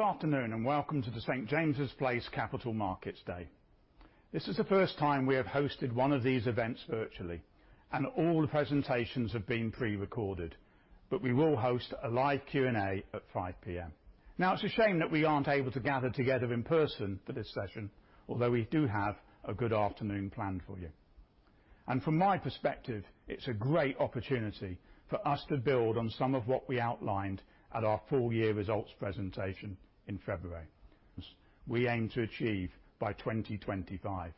Afternoon, welcome to the St. James's Place Capital Markets Day. This is the first time we have hosted one of these events virtually, and all the presentations have been pre-recorded. We will host a live Q&A at 5:00 P.M. Now, it's a shame that we aren't able to gather together in person for this session, although we do have a good afternoon planned for you. From my perspective, it's a great opportunity for us to build on some of what we outlined at our full year results presentation in February. We aim to achieve by 2025.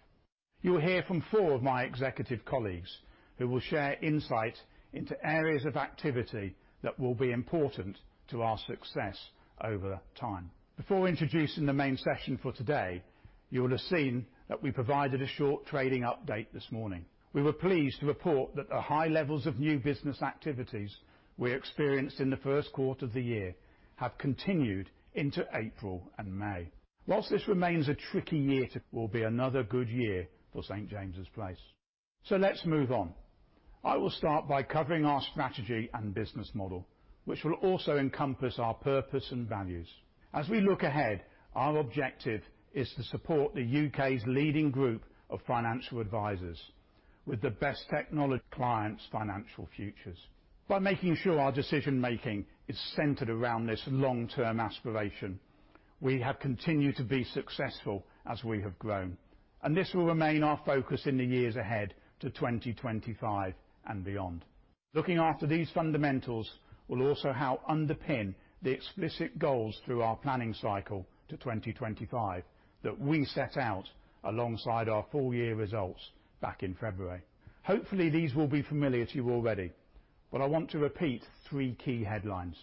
You'll hear from four of my executive colleagues who will share insight into areas of activity that will be important to our success over that time. Before introducing the main session for today, you would've seen that we provided a short trading update this morning. We were pleased to report that the high levels of new business activities we experienced in the first quarter of the year have continued into April and May. Whilst this remains a tricky year, it will be another good year for St. James's Place. Let's move on. I will start by covering our strategy and business model, which will also encompass our purpose and values. As we look ahead, our objective is to support the U.K.'s leading group of financial advisors with the best technology clients' financial futures. By making sure our decision-making is centered around this long-term aspiration, we have continued to be successful as we have grown, and this will remain our focus in the years ahead to 2025 and beyond. Looking after these fundamentals will also help underpin the explicit goals through our planning cycle to 2025 that we set out alongside our full year results back in February. Hopefully, these will be familiar to you already. I want to repeat three key headlines.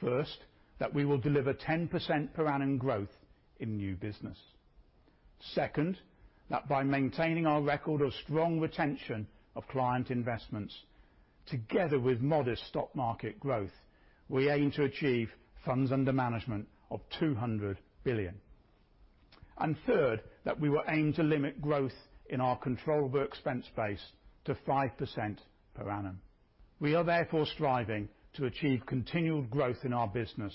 First, that we will deliver 10% per annum growth in new business. Second, that by maintaining our record of strong retention of client investments together with modest stock market growth, we aim to achieve funds under management of 200 billion. Third, that we will aim to limit growth in our controllable expense base to 5% per annum. We are therefore striving to achieve continued growth in our business,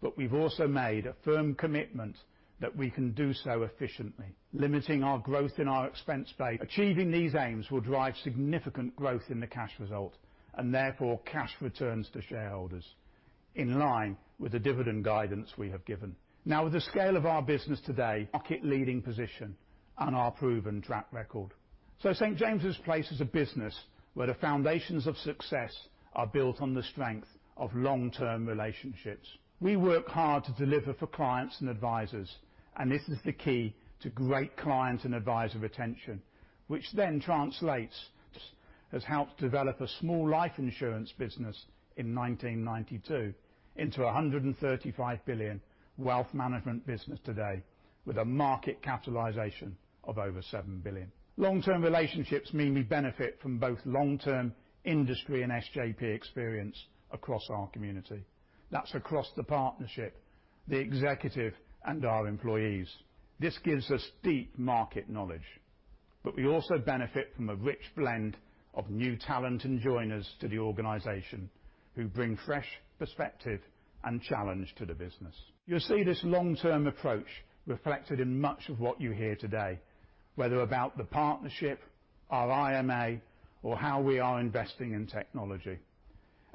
but we've also made a firm commitment that we can do so efficiently, limiting our growth in our expense base. Achieving these aims will drive significant growth in the cash results and therefore cash returns to shareholders in line with the dividend guidance we have given. With the scale of our business today, market leading position, and our proven track record, St. James's Place is a business where the foundations of success are built on the strength of long-term relationships. We work hard to deliver for clients and advisors, and this is the key to great client and advisor retention, which then translates has helped develop a small life insurance business in 1992 into 135 billion wealth management business today with a market capitalization of over 7 billion. Long-term relationships mean we benefit from both long-term industry and SJP experience across our community. That's across the partnership, the executive, and our employees. This gives us deep market knowledge. We also benefit from a rich blend of new talent and joiners to the organization who bring fresh perspective and challenge to the business. You'll see this long-term approach reflected in much of what you hear today, whether about the partnership, our IMA, or how we are investing in technology.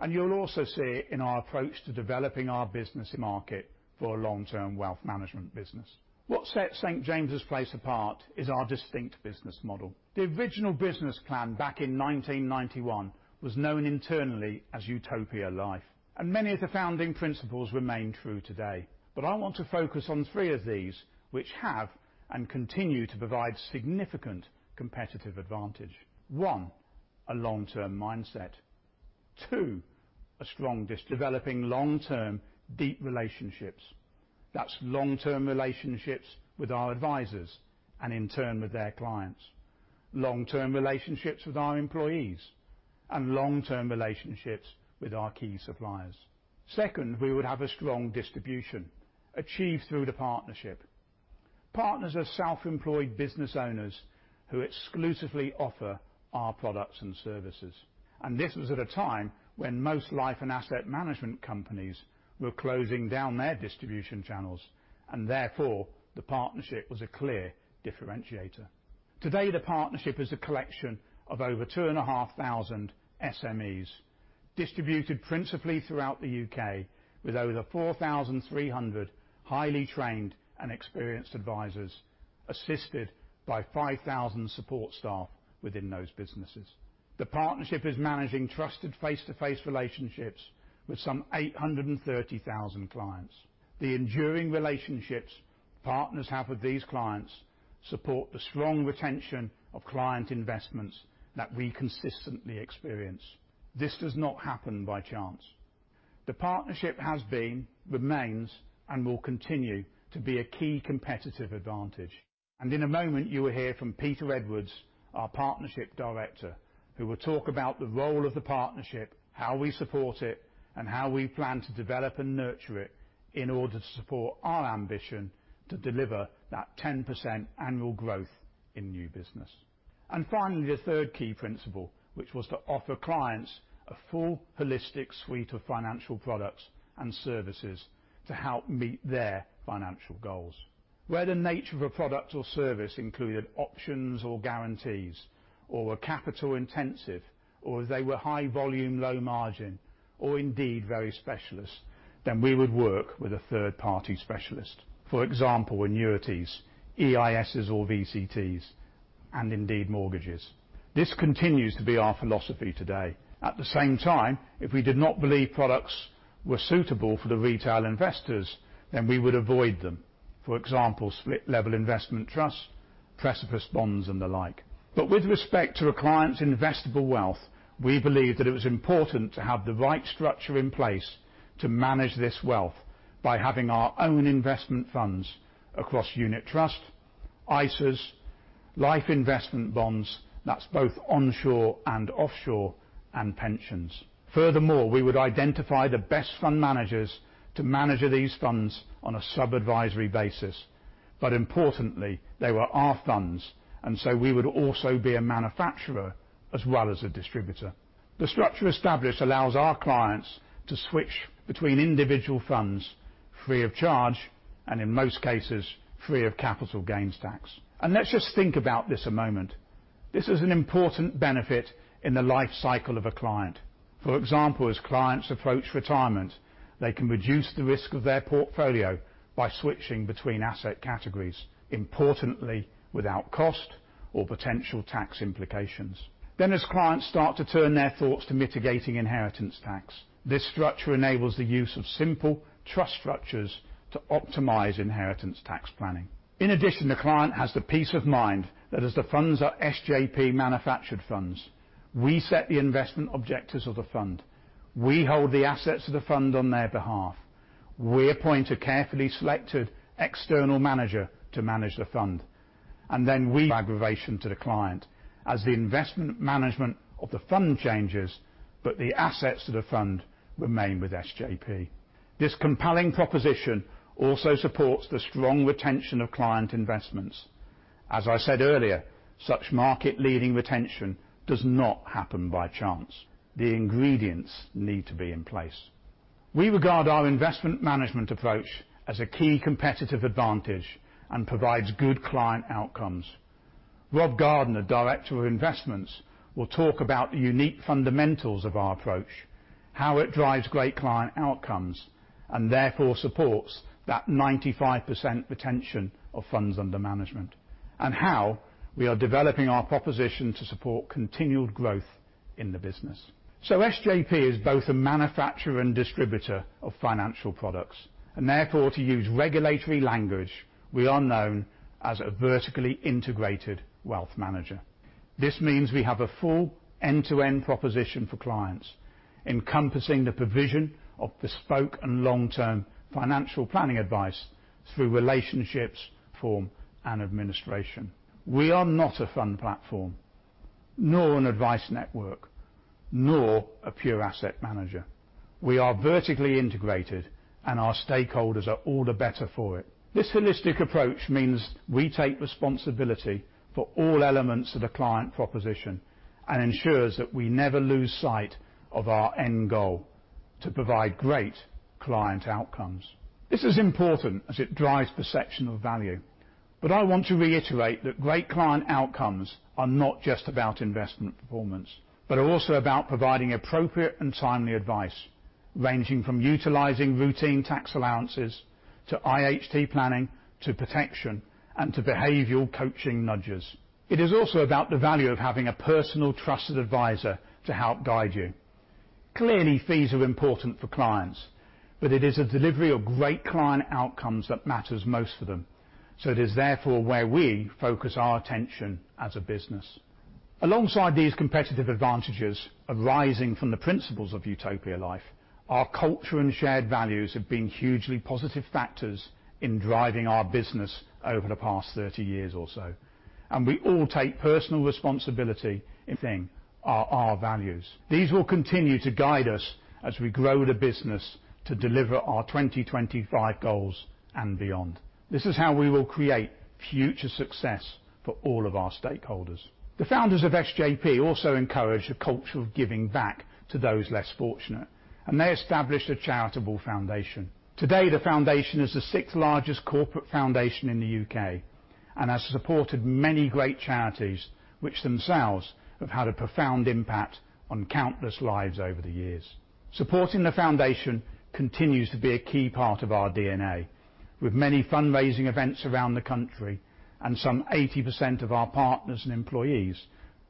You'll also see it in our approach to developing our business market for a long-term wealth management business. What sets St. James's Place apart is our distinct business model. The original business plan back in 1991 was known internally as Utopia Life, and many of the founding principles remain true today. I want to focus on three of these which have and continue to provide significant competitive advantage. One, a long-term mindset. Two, a strong developing long-term deep relationships. That's long-term relationships with our advisors and in turn with their clients, long-term relationships with our employees, and long-term relationships with our key suppliers. We would have a strong distribution achieved through the partnership. Partners are self-employed business owners who exclusively offer our products and services. This was at a time when most life and asset management companies were closing down their distribution channels, and therefore, the partnership was a clear differentiator. Today, the partnership is a collection of over 2,500 SMEs distributed principally throughout the U.K. with over 4,300 highly trained and experienced advisors, assisted by 5,000 support staff within those businesses. The partnership is managing trusted face-to-face relationships with some 830,000 clients. The enduring relationships partners have with these clients support the strong retention of client investments that we consistently experience. This does not happen by chance. The partnership has been, remains, and will continue to be a key competitive advantage. In a moment, you will hear from Peter Edwards, our Partnership Director, who will talk about the role of the partnership, how we support it, and how we plan to develop and nurture it in order to support our ambition to deliver that 10% annual growth in new business. Finally, the third key principle, which was to offer clients a full holistic suite of financial products and services to help meet their financial goals. Where the nature of a product or service included options or guarantees, or were capital intensive, or if they were high volume, low margin, or indeed very specialist, then we would work with a third-party specialist. For example, annuities, EISs or VCTs, and indeed mortgages. This continues to be our philosophy today. If we did not believe products were suitable for the retail investors, we would avoid them. For example, split-level investment trusts, precipice bonds, and the like. With respect to a client's investable wealth, we believe that it was important to have the right structure in place to manage this wealth by having our own investment funds across unit trusts, ISAs, life investment bonds, that's both onshore and offshore, and pensions. Furthermore, we would identify the best fund managers to manage these funds on a sub-advisory basis. Importantly, they were our funds, we would also be a manufacturer as well as a distributor. The structure established allows our clients to switch between individual funds free of charge and, in most cases, free of capital gains tax. Let's just think about this a moment. This is an important benefit in the life cycle of a client. For example, as clients approach retirement, they can reduce the risk of their portfolio by switching between asset categories, importantly without cost or potential tax implications. As clients start to turn their thoughts to mitigating inheritance tax, this structure enables the use of simple trust structures to optimize inheritance tax planning. In addition, the client has the peace of mind that as the funds are SJP manufactured funds, we set the investment objectives of the fund. We hold the assets of the fund on their behalf. We appoint a carefully selected external manager to manage the fund, and then aggravation to the client as the investment management of the fund changes, but the assets of the fund remain with SJP. This compelling proposition also supports the strong retention of client investments. As I said earlier, such market-leading retention does not happen by chance. The ingredients need to be in place. We regard our investment management approach as a key competitive advantage and provides good client outcomes. Rob Gardner, Director of Investments, will talk about the unique fundamentals of our approach, how it drives great client outcomes, and therefore supports that 95% retention of funds under management, and how we are developing our proposition to support continued growth in the business. SJP is both a manufacturer and distributor of financial products, and therefore, to use regulatory language, we are known as a vertically integrated wealth manager. This means we have a full end-to-end proposition for clients, encompassing the provision of bespoke and long-term financial planning advice through relationships, form, and administration. We are not a fund platform, nor an advice network, nor a pure asset manager. We are vertically integrated, and our stakeholders are all the better for it. This holistic approach means we take responsibility for all elements of the client proposition and ensures that we never lose sight of our end goal to provide great client outcomes. This is important as it drives the section of value. I want to reiterate that great client outcomes are not just about investment performance, but are also about providing appropriate and timely advice, ranging from utilizing routine tax allowances to IHT planning, to protection and to behavioral coaching nudges. It is also about the value of having a personal, trusted advisor to help guide you. Clearly, fees are important for clients, but it is the delivery of great client outcomes that matters most to them, so it is therefore where we focus our attention as a business. Alongside these competitive advantages arising from the principles of Utopia Life, our culture and shared values have been hugely positive factors in driving our business over the past 30 years or so, and we all take personal responsibility. These will continue to guide us as we grow the business to deliver our 2025 goals and beyond. This is how we will create future success for all of our stakeholders. The founders of SJP also encouraged a culture of giving back to those less fortunate, and they established a charitable foundation. Today, the foundation is the sixth-largest corporate foundation in the U.K. and has supported many great charities, which themselves have had a profound impact on countless lives over the years. Supporting the foundation continues to be a key part of our DNA, with many fundraising events around the country and some 80% of our partners and employees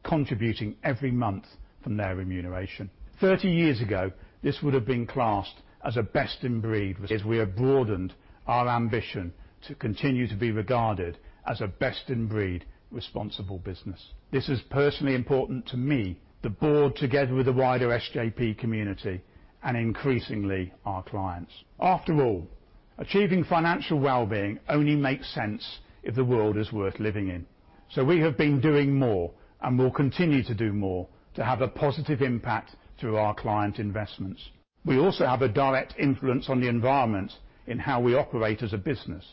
contributing every month from their remuneration. 30 years ago, this would have been classed as a best-in-breed- is we have broadened our ambition to continue to be regarded as a best-in-breed responsible business. This is personally important to me, the board, together with the wider SJP community and increasingly our clients. After all, achieving financial wellbeing only makes sense if the world is worth living in. We have been doing more and will continue to do more to have a positive impact through our client investments. We also have a direct influence on the environment in how we operate as a business,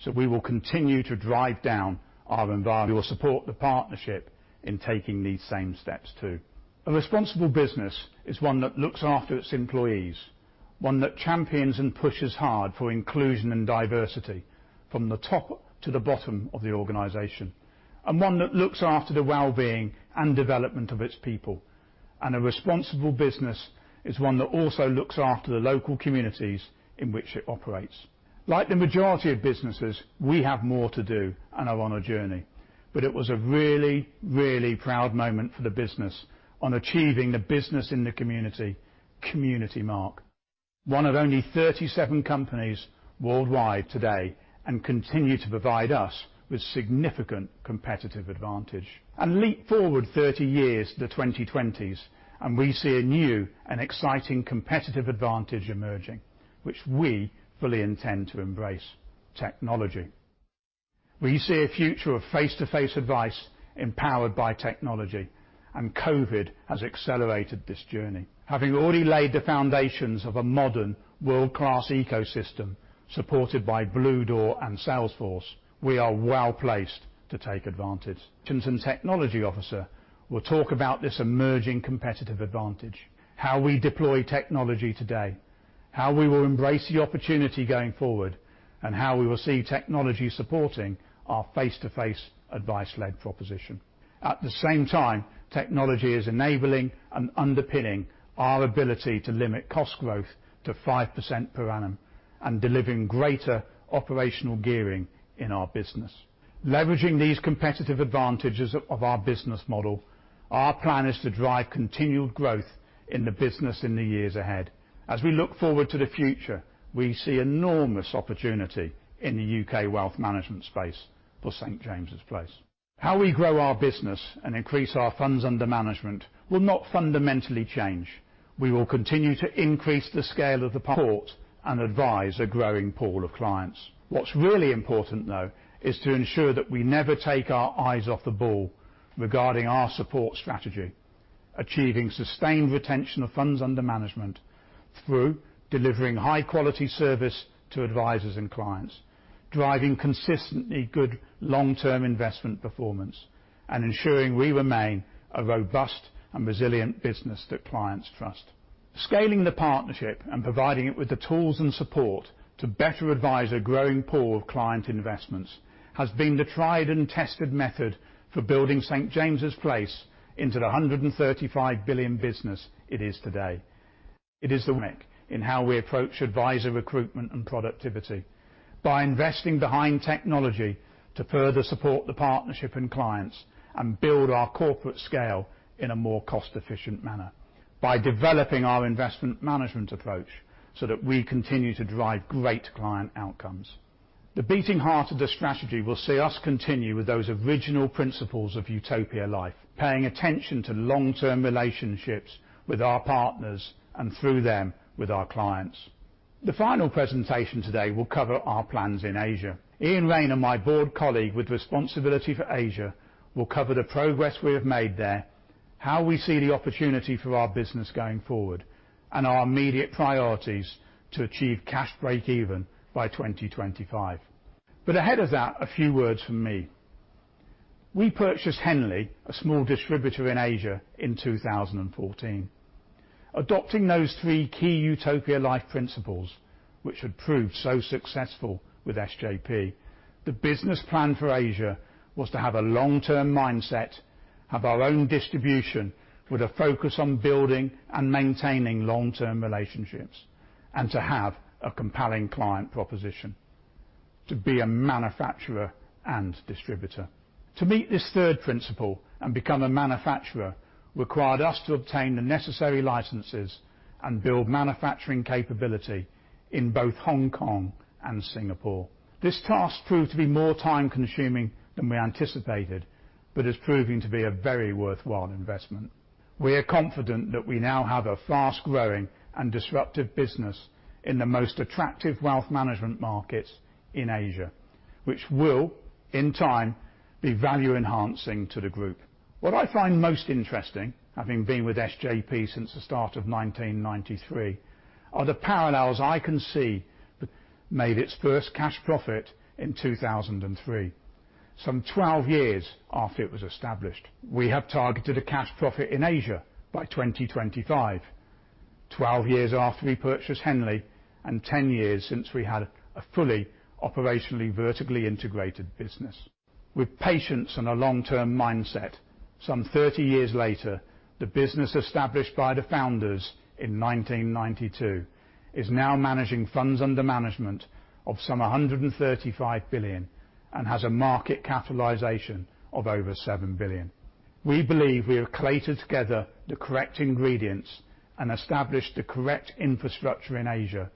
so we will continue to drive down. We will support the partnership in taking these same steps too. A responsible business is one that looks after its employees, one that champions and pushes hard for inclusion and diversity from the top to the bottom of the organization, and one that looks after the wellbeing and development of its people. A responsible business is one that also looks after the local communities in which it operates. Like the majority of businesses, we have more to do and are on a journey. It was a really, really proud moment for the business on achieving the Business in the Community Community Mark, one of only 37 companies worldwide today and continue to provide us with significant competitive advantage. Leap forward 30 years to the 2020s, and we see a new and exciting competitive advantage emerging, which we fully intend to embrace. Technology. We see a future of face-to-face advice empowered by technology, and COVID has accelerated this journey. Having already laid the foundations of a modern world-class ecosystem supported by Bluedoor and Salesforce, we are well-placed to take advantage. [inaudible] technology officer, will talk about this emerging competitive advantage, how we deploy technology today, how we will embrace the opportunity going forward, and how we will see technology supporting our face-to-face advice-led proposition. At the same time, technology is enabling and underpinning our ability to limit cost growth to 5% per annum and delivering greater operational gearing in our business. Leveraging these competitive advantages of our business model, our plan is to drive continued growth in the business in the years ahead. As we look forward to the future, we see enormous opportunity in the U.K. wealth management space for St. James's Place. How we grow our business and increase our funds under management will not fundamentally change. We will continue to increase the scale of the support and advise a growing pool of clients. What's really important, though, is to ensure that we never take our eyes off the ball regarding our support strategy. Achieving sustained retention of funds under management through delivering high-quality service to advisors and clients, driving consistently good long-term investment performance, and ensuring we remain a robust and resilient business that clients trust. Scaling the partnership and providing it with the tools and support to better advise a growing pool of client investments has been the tried-and-tested method for building St. James's Place into the 135 billion business it is today. It is in how we approach advisor recruitment and productivity. By investing behind technology to further support the partnership and clients and build our corporate scale in a more cost-efficient manner. By developing our investment management approach so that we continue to drive great client outcomes. The beating heart of the strategy will see us continue with those original principles of Utopia Life, paying attention to long-term relationships with our partners and through them with our clients. The final presentation today will cover our plans in Asia. Iain Rayner and my board colleague with responsibility for Asia will cover the progress we have made there, how we see the opportunity for our business going forward, and our immediate priorities to achieve cash breakeven by 2025. Ahead of that, a few words from me. We purchased Henley, a small distributor in Asia, in 2014. Adopting those three key Utopia Life principles which had proved so successful with SJP, the business plan for Asia was to have a long-term mindset, have our own distribution with a focus on building and maintaining long-term relationships, and to have a compelling client proposition. To be a manufacturer and distributor. To meet this third principle and become a manufacturer required us to obtain the necessary licenses and build manufacturing capability in both Hong Kong and Singapore. This task proved to be more time-consuming than we anticipated, but is proving to be a very worthwhile investment. We are confident that we now have a fast-growing and disruptive business in the most attractive wealth management markets in Asia, which will, in time, be value-enhancing to the group. What I find most interesting, having been with SJP since the start of 1993, are the parallels I can see that made its first cash profit in 2003, some 12 years after it was established. We have targeted a cash profit in Asia by 2025, 12 years after we purchased Henley and 10 years since we had a fully operationally vertically integrated business. With patience and a long-term mindset, some 30 years later, the business established by the founders in 1992 is now managing funds under management of some 135 billion and has a market capitalization of over 7 billion. We believe we have created together the correct ingredients and established the correct infrastructure in Asia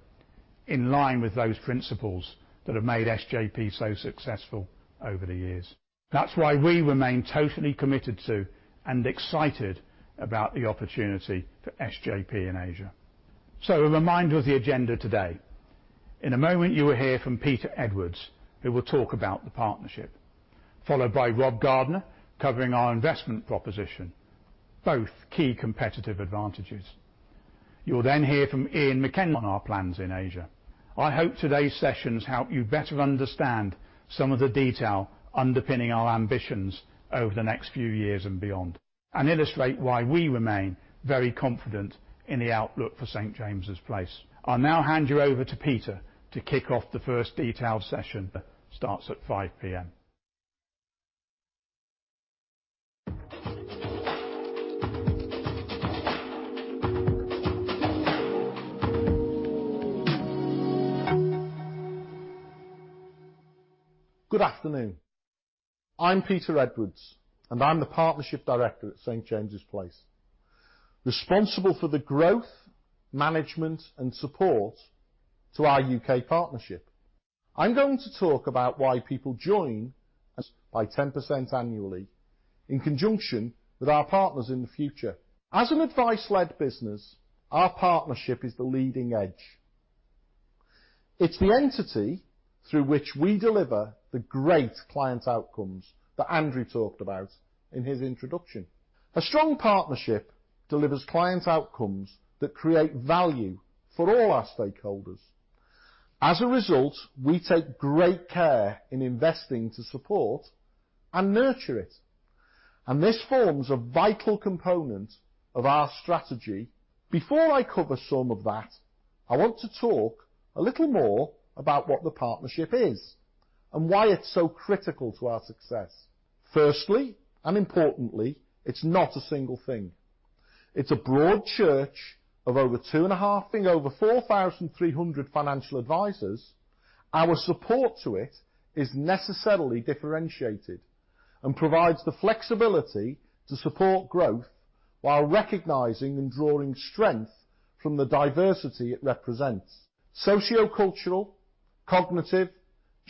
in line with those principles that have made SJP so successful over the years. That's why we remain totally committed to and excited about the opportunity for SJP in Asia. A reminder of the agenda today. In a moment, you will hear from Peter Edwards, who will talk about the partnership, followed by Rob Gardner, covering our investment proposition, both key competitive advantages. You'll hear from Ian MacKenzie on our plans in Asia. I hope today's sessions help you better understand some of the detail underpinning our ambitions over the next few years and beyond, illustrate why we remain very confident in the outlook for St. James's Place. I'll now hand you over to Peter to kick off the first detailed session that starts at 5:00 P.M. Good afternoon. I'm Peter Edwards, I'm the partnership director at St. James's Place, responsible for the growth, management, and support to our U.K. partnership. I'm going to talk about why people join us by 10% annually in conjunction with our partners in the future. As an advice-led business, our partnership is the leading edge. It's the entity through which we deliver the great client outcomes that Andrew talked about in his introduction. A strong partnership delivers client outcomes that create value for all our stakeholders. We take great care in investing to support and nurture it. This forms a vital component of our strategy. Before I cover some of that, I want to talk a little more about what the partnership is and why it's so critical to our success. Importantly, it's not a single thing. It's a broad church of over 4,300 financial advisors. Our support to it is necessarily differentiated and provides the flexibility to support growth while recognizing and drawing strength from the diversity it represents. Sociocultural, cognitive,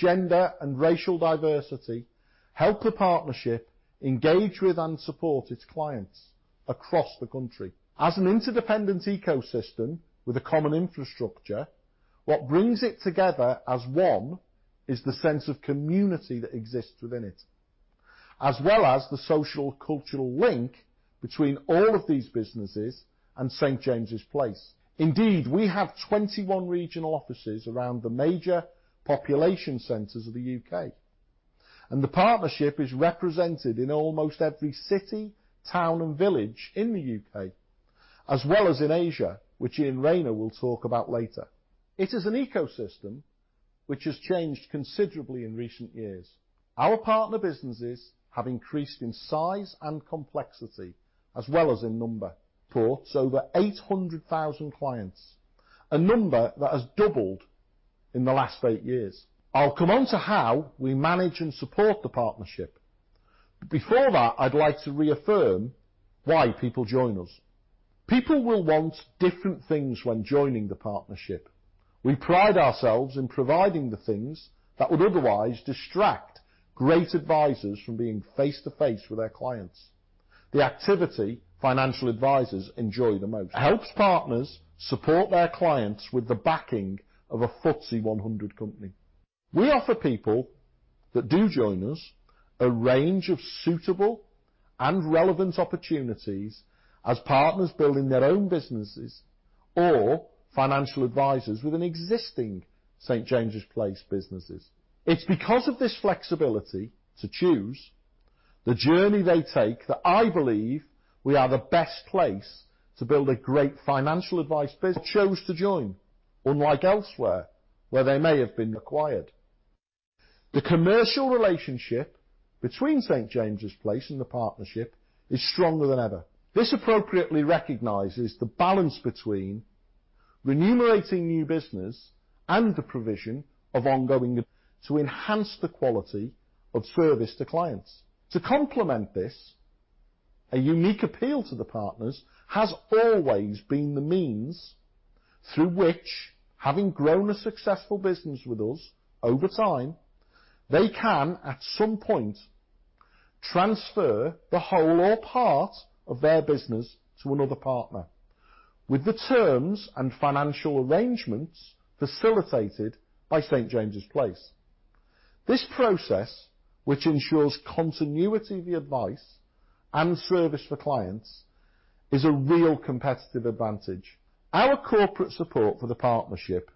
gender, and racial diversity help the partnership engage with and support its clients across the country. As an interdependent ecosystem with a common infrastructure, what brings it together as one is the sense of community that exists within it, as well as the social cultural link between all of these businesses and St. James's Place. Indeed, we have 21 regional offices around the major population centers of the U.K., and the partnership is represented in almost every city, town, and village in the U.K., as well as in Asia, which Iain Rayner will talk about later. It is an ecosystem which has changed considerably in recent years. Our partner businesses have increased in size and complexity as well as in number. supports over 800,000 clients, a number that has doubled in the last eight years. I'll come on to how we manage and support the partnership. Before that, I'd like to reaffirm why people join us. People will want different things when joining the partnership. We pride ourselves in providing the things that would otherwise distract great advisors from being face to face with their clients, the activity financial advisors enjoy the most. It helps partners support their clients with the backing of a FTSE 100 company. We offer people that do join us a range of suitable and relevant opportunities as partners building their own businesses or financial advisors within existing St. James's Place businesses. It's because of this flexibility to choose the journey they take that I believe we are the best place to build a great financial advice business they chose to join, unlike elsewhere, where they may have been acquired. The commercial relationship between St. James's Place and the partnership is stronger than ever. This appropriately recognizes the balance between remunerating new business and the provision of ongoing to enhance the quality of service to clients. To complement this, a unique appeal to the partners has always been the means through which, having grown a successful business with us over time, they can, at some point, transfer the whole or part of their business to another partner with the terms and financial arrangements facilitated by St. James's Place. This process, which ensures continuity of the advice and service for clients, is a real competitive advantage. Our corporate support for the partnership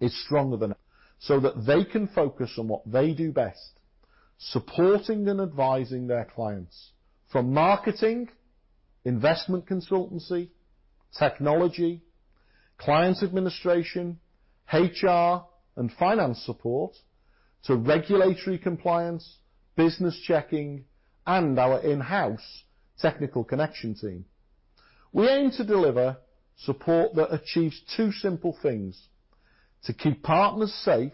is stronger than so that they can focus on what they do best, supporting and advising their clients. From marketing, investment consultancy, technology, clients administration, HR, and finance support to regulatory compliance, business checking, and our in-house technical connection team. We aim to deliver support that achieves two simple things, to keep partners safe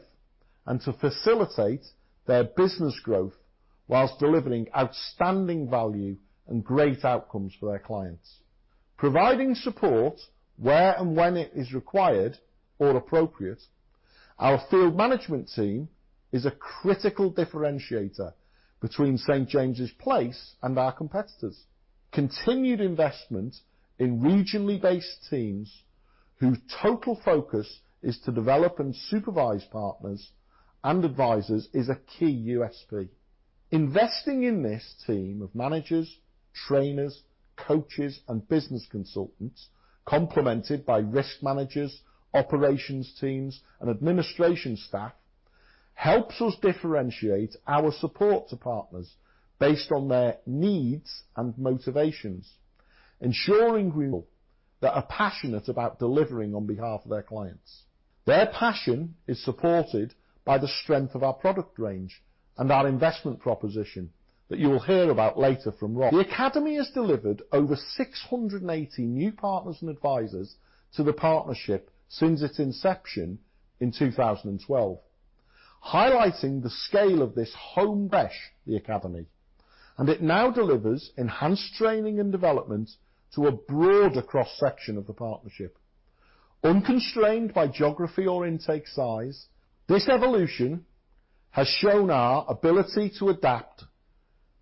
and to facilitate their business growth while delivering outstanding value and great outcomes for their clients. Providing support where and when it is required or appropriate, our field management team is a critical differentiator between St. James's Place and our competitors. Continued investment in regionally based teams whose total focus is to develop and supervise partners and advisors is a key USP. Investing in this team of managers, trainers, coaches, and business consultants, complemented by risk managers, operations teams, and administration staff, helps us differentiate our support to partners based on their needs and motivations, ensuring we that are passionate about delivering on behalf of their clients. Their passion is supported by the strength of our product range and our investment proposition that you will hear about later from Rob. The Academy has delivered over 680 new partners and advisors to the partnership since its inception in 2012, highlighting the scale of this home-based, the Academy, it now delivers enhanced training and development to a broader cross-section of the partnership. Unconstrained by geography or intake size, this evolution has shown our ability to adapt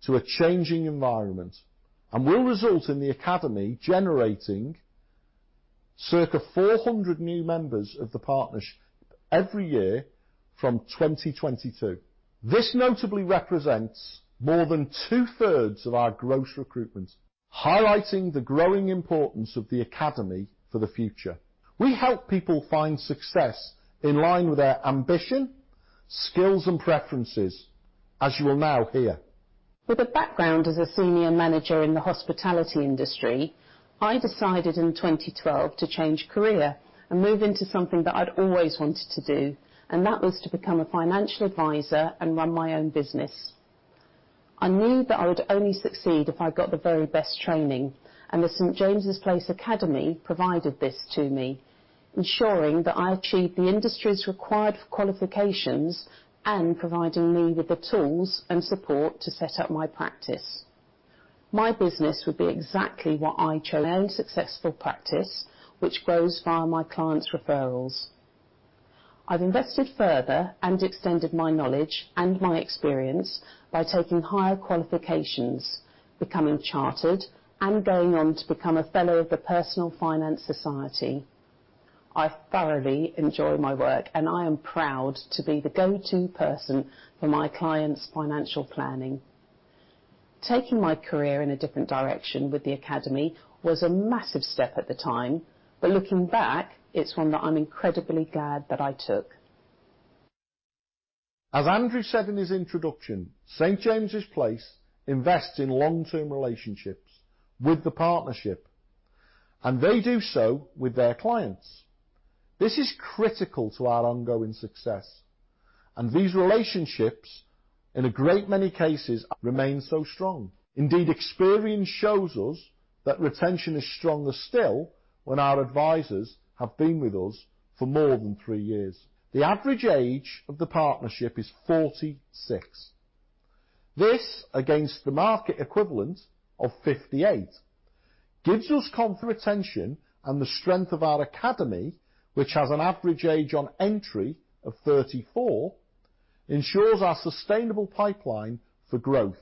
to a changing environment and will result in the Academy generating circa 400 new members of the partnership every year from 2022. This notably represents more than two-thirds of our gross recruitment, highlighting the growing importance of the Academy for the future. We help people find success in line with their ambition, skills, and preferences, as you will now hear. With a background as a senior manager in the hospitality industry, I decided in 2012 to change career and move into something that I'd always wanted to do, and that was to become a financial advisor and run my own business. I knew that I would only succeed if I got the very best training, and the St. James's Place Academy provided this to me, ensuring that I achieved the industry's required qualifications and providing me with the tools and support to set up my practice. My business would be exactly what I chose own successful practice, which grows via my clients' referrals. I've invested further and extended my knowledge and my experience by taking higher qualifications, becoming chartered, and going on to become a fellow of the Personal Finance Society. I thoroughly enjoy my work, and I am proud to be the go-to person for my clients' financial planning. Taking my career in a different direction with the Academy was a massive step at the time, but looking back, it's one that I'm incredibly glad that I took. As Andrew said in his introduction, St. James's Place invests in long-term relationships with the partnership, and they do so with their clients. This is critical to our ongoing success, and these relationships, in a great many cases, remain so strong. Indeed, experience shows us that retention is stronger still when our advisors have been with us for more than three years. The average age of the partnership is 46. This, against the market equivalent of 58, gives us confident retention, and the strength of our Academy, which has an average age on entry of 34, ensures our sustainable pipeline for growth.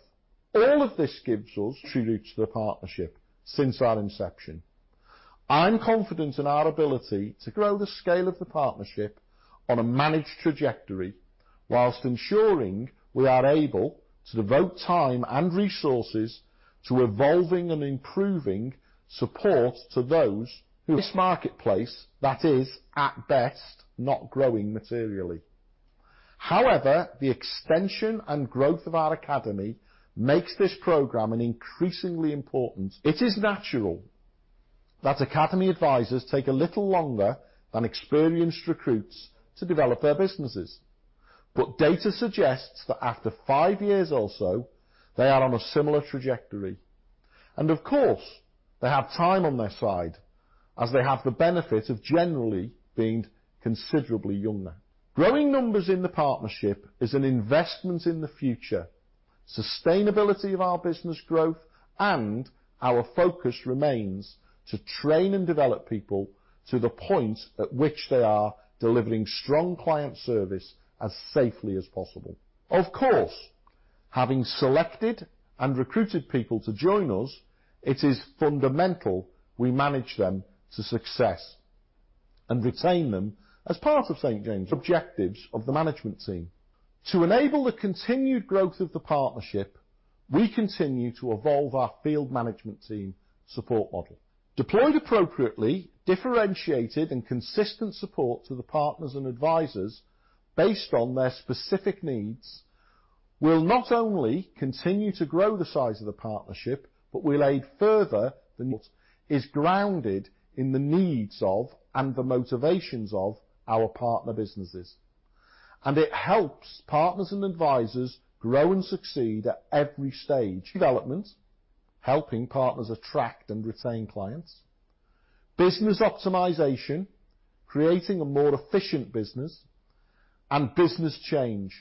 All of this gives us to the partnership since our inception. I am confident in our ability to grow the scale of the partnership on a managed trajectory while ensuring we are able to devote time and resources to evolving and improving support to those who. This marketplace, that is at best not growing materially. However, the extension and growth of our Academy makes this program an increasingly important. It is natural that Academy advisors take a little longer than experienced recruits to develop their businesses. Data suggests that after five years or so, they are on a similar trajectory. Of course, they have time on their side, as they have the benefit of generally being considerably younger. Growing numbers in the partnership is an investment in the future, sustainability of our business growth, and our focus remains to train and develop people to the point at which they are delivering strong client service as safely as possible. Of course, having selected and recruited people to join us, it is fundamental we manage them to success and retain them as part of St. James's Place's objectives of the management team. To enable the continued growth of the partnership, we continue to evolve our field management team support model. Deployed appropriately, differentiated, and consistent support to the partners and advisors based on their specific needs will not only continue to grow the size of the partnership, but will aid further the most is grounded in the needs of and the motivations of our partner businesses, and it helps partners and advisors grow and succeed at every stage. Development, helping partners attract and retain clients; business optimization, creating a more efficient business; and business change,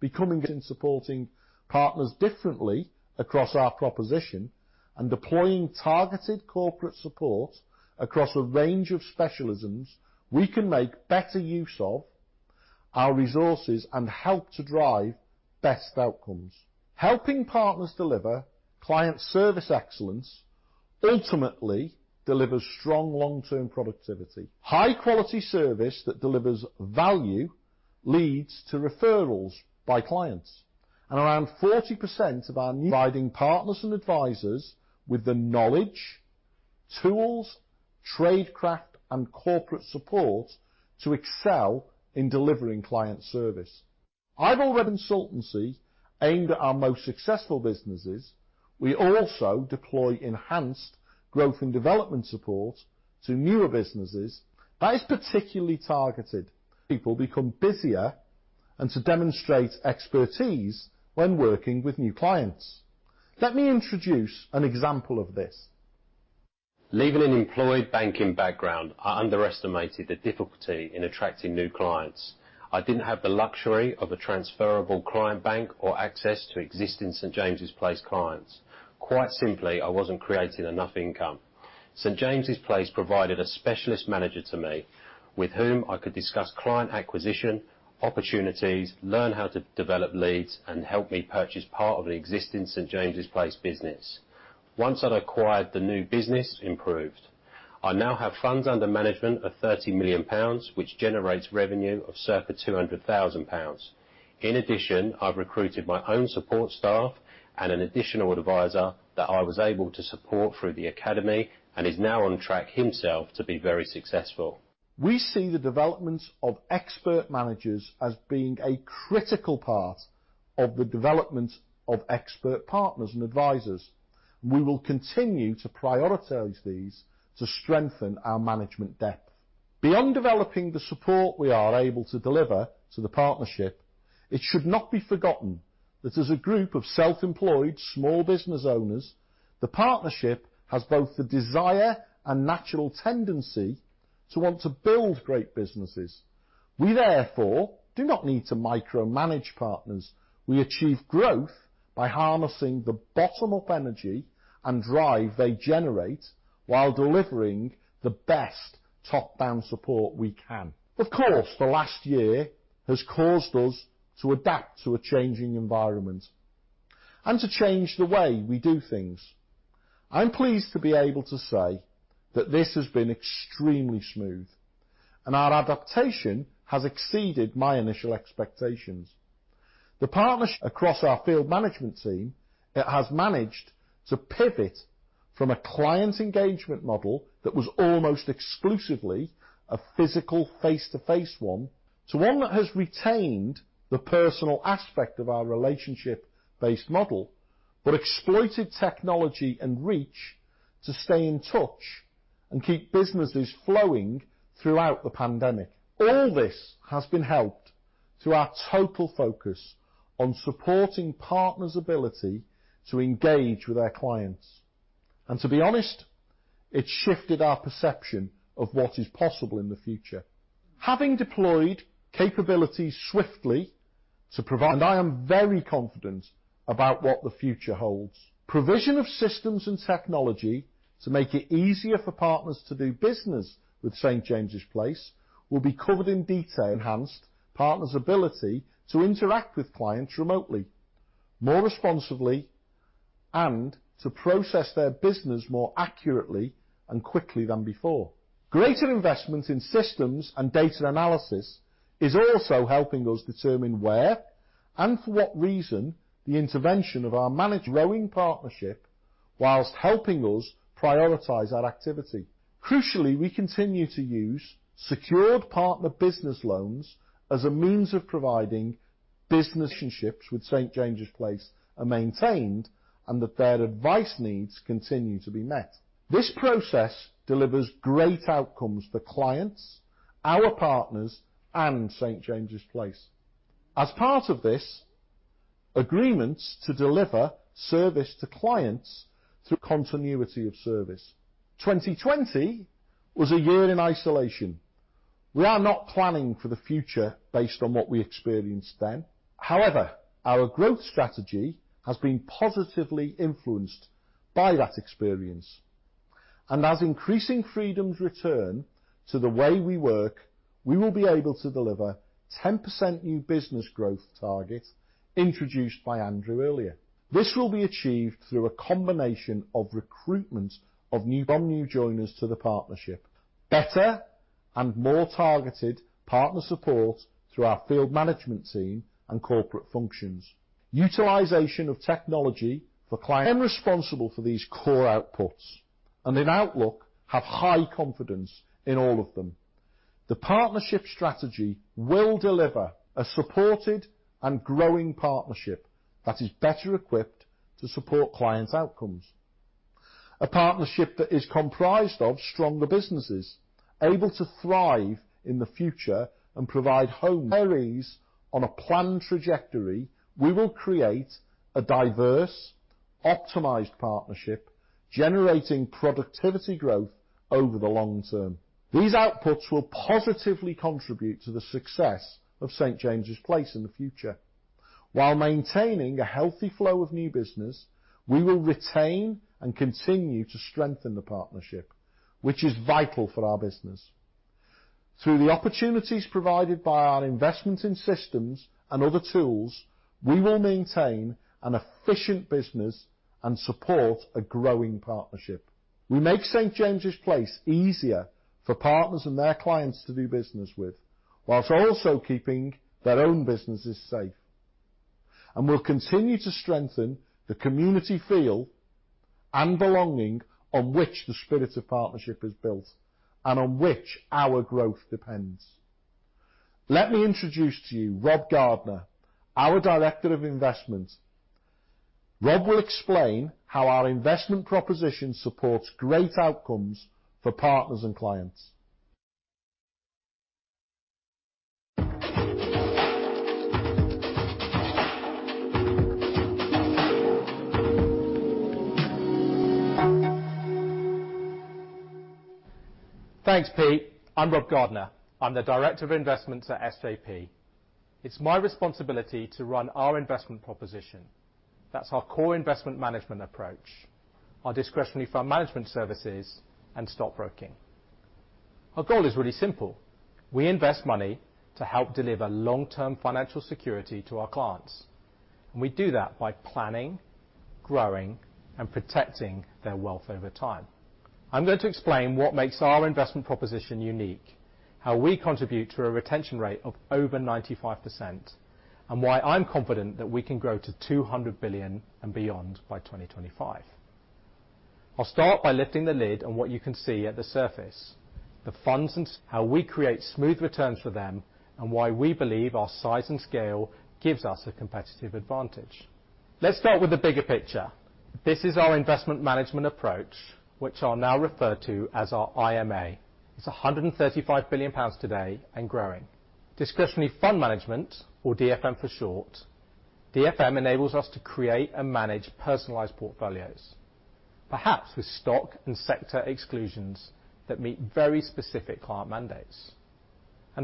becoming In supporting partners differently across our proposition and deploying targeted corporate support across a range of specialisms, we can make better use of our resources and help to drive best outcomes. Helping partners deliver client service excellence ultimately delivers strong long-term productivity. High-quality service that delivers value leads to referrals by clients. Around 40% of our. Providing partners and advisors with the knowledge, tools, trade craft, and corporate support to excel in delivering client service. Our consultancy aimed at our most successful businesses. We also deploy enhanced growth and development support to newer businesses that is particularly targeted. People become busier and to demonstrate expertise when working with new clients. Let me introduce an example of this. Leaving an employed banking background, I underestimated the difficulty in attracting new clients. I didn't have the luxury of a transferable client bank or access to existing St. James's Place clients. Quite simply, I wasn't creating enough income. St. James's Place provided a specialist manager to me with whom I could discuss client acquisition opportunities, learn how to develop leads, and help me purchase part of the existing St. James's Place business. Once I'd acquired, the new business improved. I now have funds under management of 30 million pounds, which generates revenue of circa 200,000 pounds. In addition, I recruited my own support staff and an additional advisor that I was able to support through the SJP Academy and is now on track himself to be very successful. We see the development of expert managers as being a critical part of the development of expert partners and advisors, and we will continue to prioritize these to strengthen our management depth. Beyond developing the support we are able to deliver to the Partnership, it should not be forgotten that as a group of self-employed small business owners, the Partnership has both the desire and natural tendency to want to build great businesses. We therefore do not need to micromanage Partners. We achieve growth by harnessing the bottom-up energy and drive they generate while delivering the best top-down support we can. Of course, the last year has caused us to adapt to a changing environment and to change the way we do things. I'm pleased to be able to say that this has been extremely smooth, and our adaptation has exceeded my initial expectations. Across our field management team, it has managed to pivot from a client engagement model that was almost exclusively a physical face-to-face one, to one that has retained the personal aspect of our relationship-based model, but exploited technology and reach to stay in touch and keep businesses flowing throughout the pandemic. All this has been helped through our total focus on supporting partners' ability to engage with our clients. To be honest, it shifted our perception of what is possible in the future. Having deployed capabilities swiftly I am very confident about what the future holds. Provision of systems and technology to make it easier for partners to do business with St. James's Place will be covered in detail. Enhanced partners' ability to interact with clients remotely, more responsibly, and to process their business more accurately and quickly than before. Greater investment in systems and data analysis is also helping us determine where and for what reason, the intervention of our growing partnership while helping us prioritize our activity. Crucially, we continue to use secured partner business loans as a means of providing business relationships with St. James's Place are maintained and that their advice needs continue to be met. This process delivers great outcomes for clients, our partners, and St. James's Place. As part of this, agreements to deliver service to clients through continuity of service. 2020 was a year in isolation. We are not planning for the future based on what we experienced then. However, our growth strategy has been positively influenced by that experience. As increasing freedoms return to the way we work, we will be able to deliver 10% new business growth targets introduced by Andrew earlier. This will be achieved through a combination of recruitment of new joiners to the partnership. Better and more targeted partner support through our field management team and corporate functions. Utilization of technology. We are responsible for these core outputs and in Outlook have high confidence in all of them. The partnership strategy will deliver a supported and growing partnership that is better equipped to support clients' outcomes. A partnership that is comprised of stronger businesses able to thrive in the future and provide Areas on a planned trajectory, we will create a diverse, optimized partnership generating productivity growth over the long term. These outputs will positively contribute to the success of St. James's Place in the future. While maintaining a healthy flow of new business, we will retain and continue to strengthen the partnership, which is vital for our business. Through the opportunities provided by our investment in systems and other tools, we will maintain an efficient business and support a growing partnership. We make St. James's Place easier for partners and their clients to do business with, while also keeping their own businesses safe. We'll continue to strengthen the community feel and belonging on which the spirit of partnership is built and on which our growth depends. Let me introduce to you Rob Gardner, our Director of Investment. Rob will explain how our investment proposition supports great outcomes for partners and clients. Thanks, Pete. I'm Rob Gardner. I'm the Director of Investments at SJP. It's my responsibility to run our investment proposition. That's our core investment management approach, our Discretionary Fund Management services, and stockbroking. Our goal is really simple. We invest money to help deliver long-term financial security to our clients, and we do that by planning, growing, and protecting their wealth over time. I'm going to explain what makes our investment proposition unique, how we contribute to a retention rate of over 95%, and why I'm confident that we can grow to 200 billion and beyond by 2025. I'll start by lifting the lid on what you can see at the surface, the funds and how we create smooth returns for them, and why we believe our size and scale gives us a competitive advantage. Let's start with the bigger picture. This is our investment management approach, which I'll now refer to as our IMA. It's 135 billion pounds today and growing. Discretionary fund management, or DFM for short. DFM enables us to create and manage personalized portfolios, perhaps with stock and sector exclusions that meet very specific client mandates.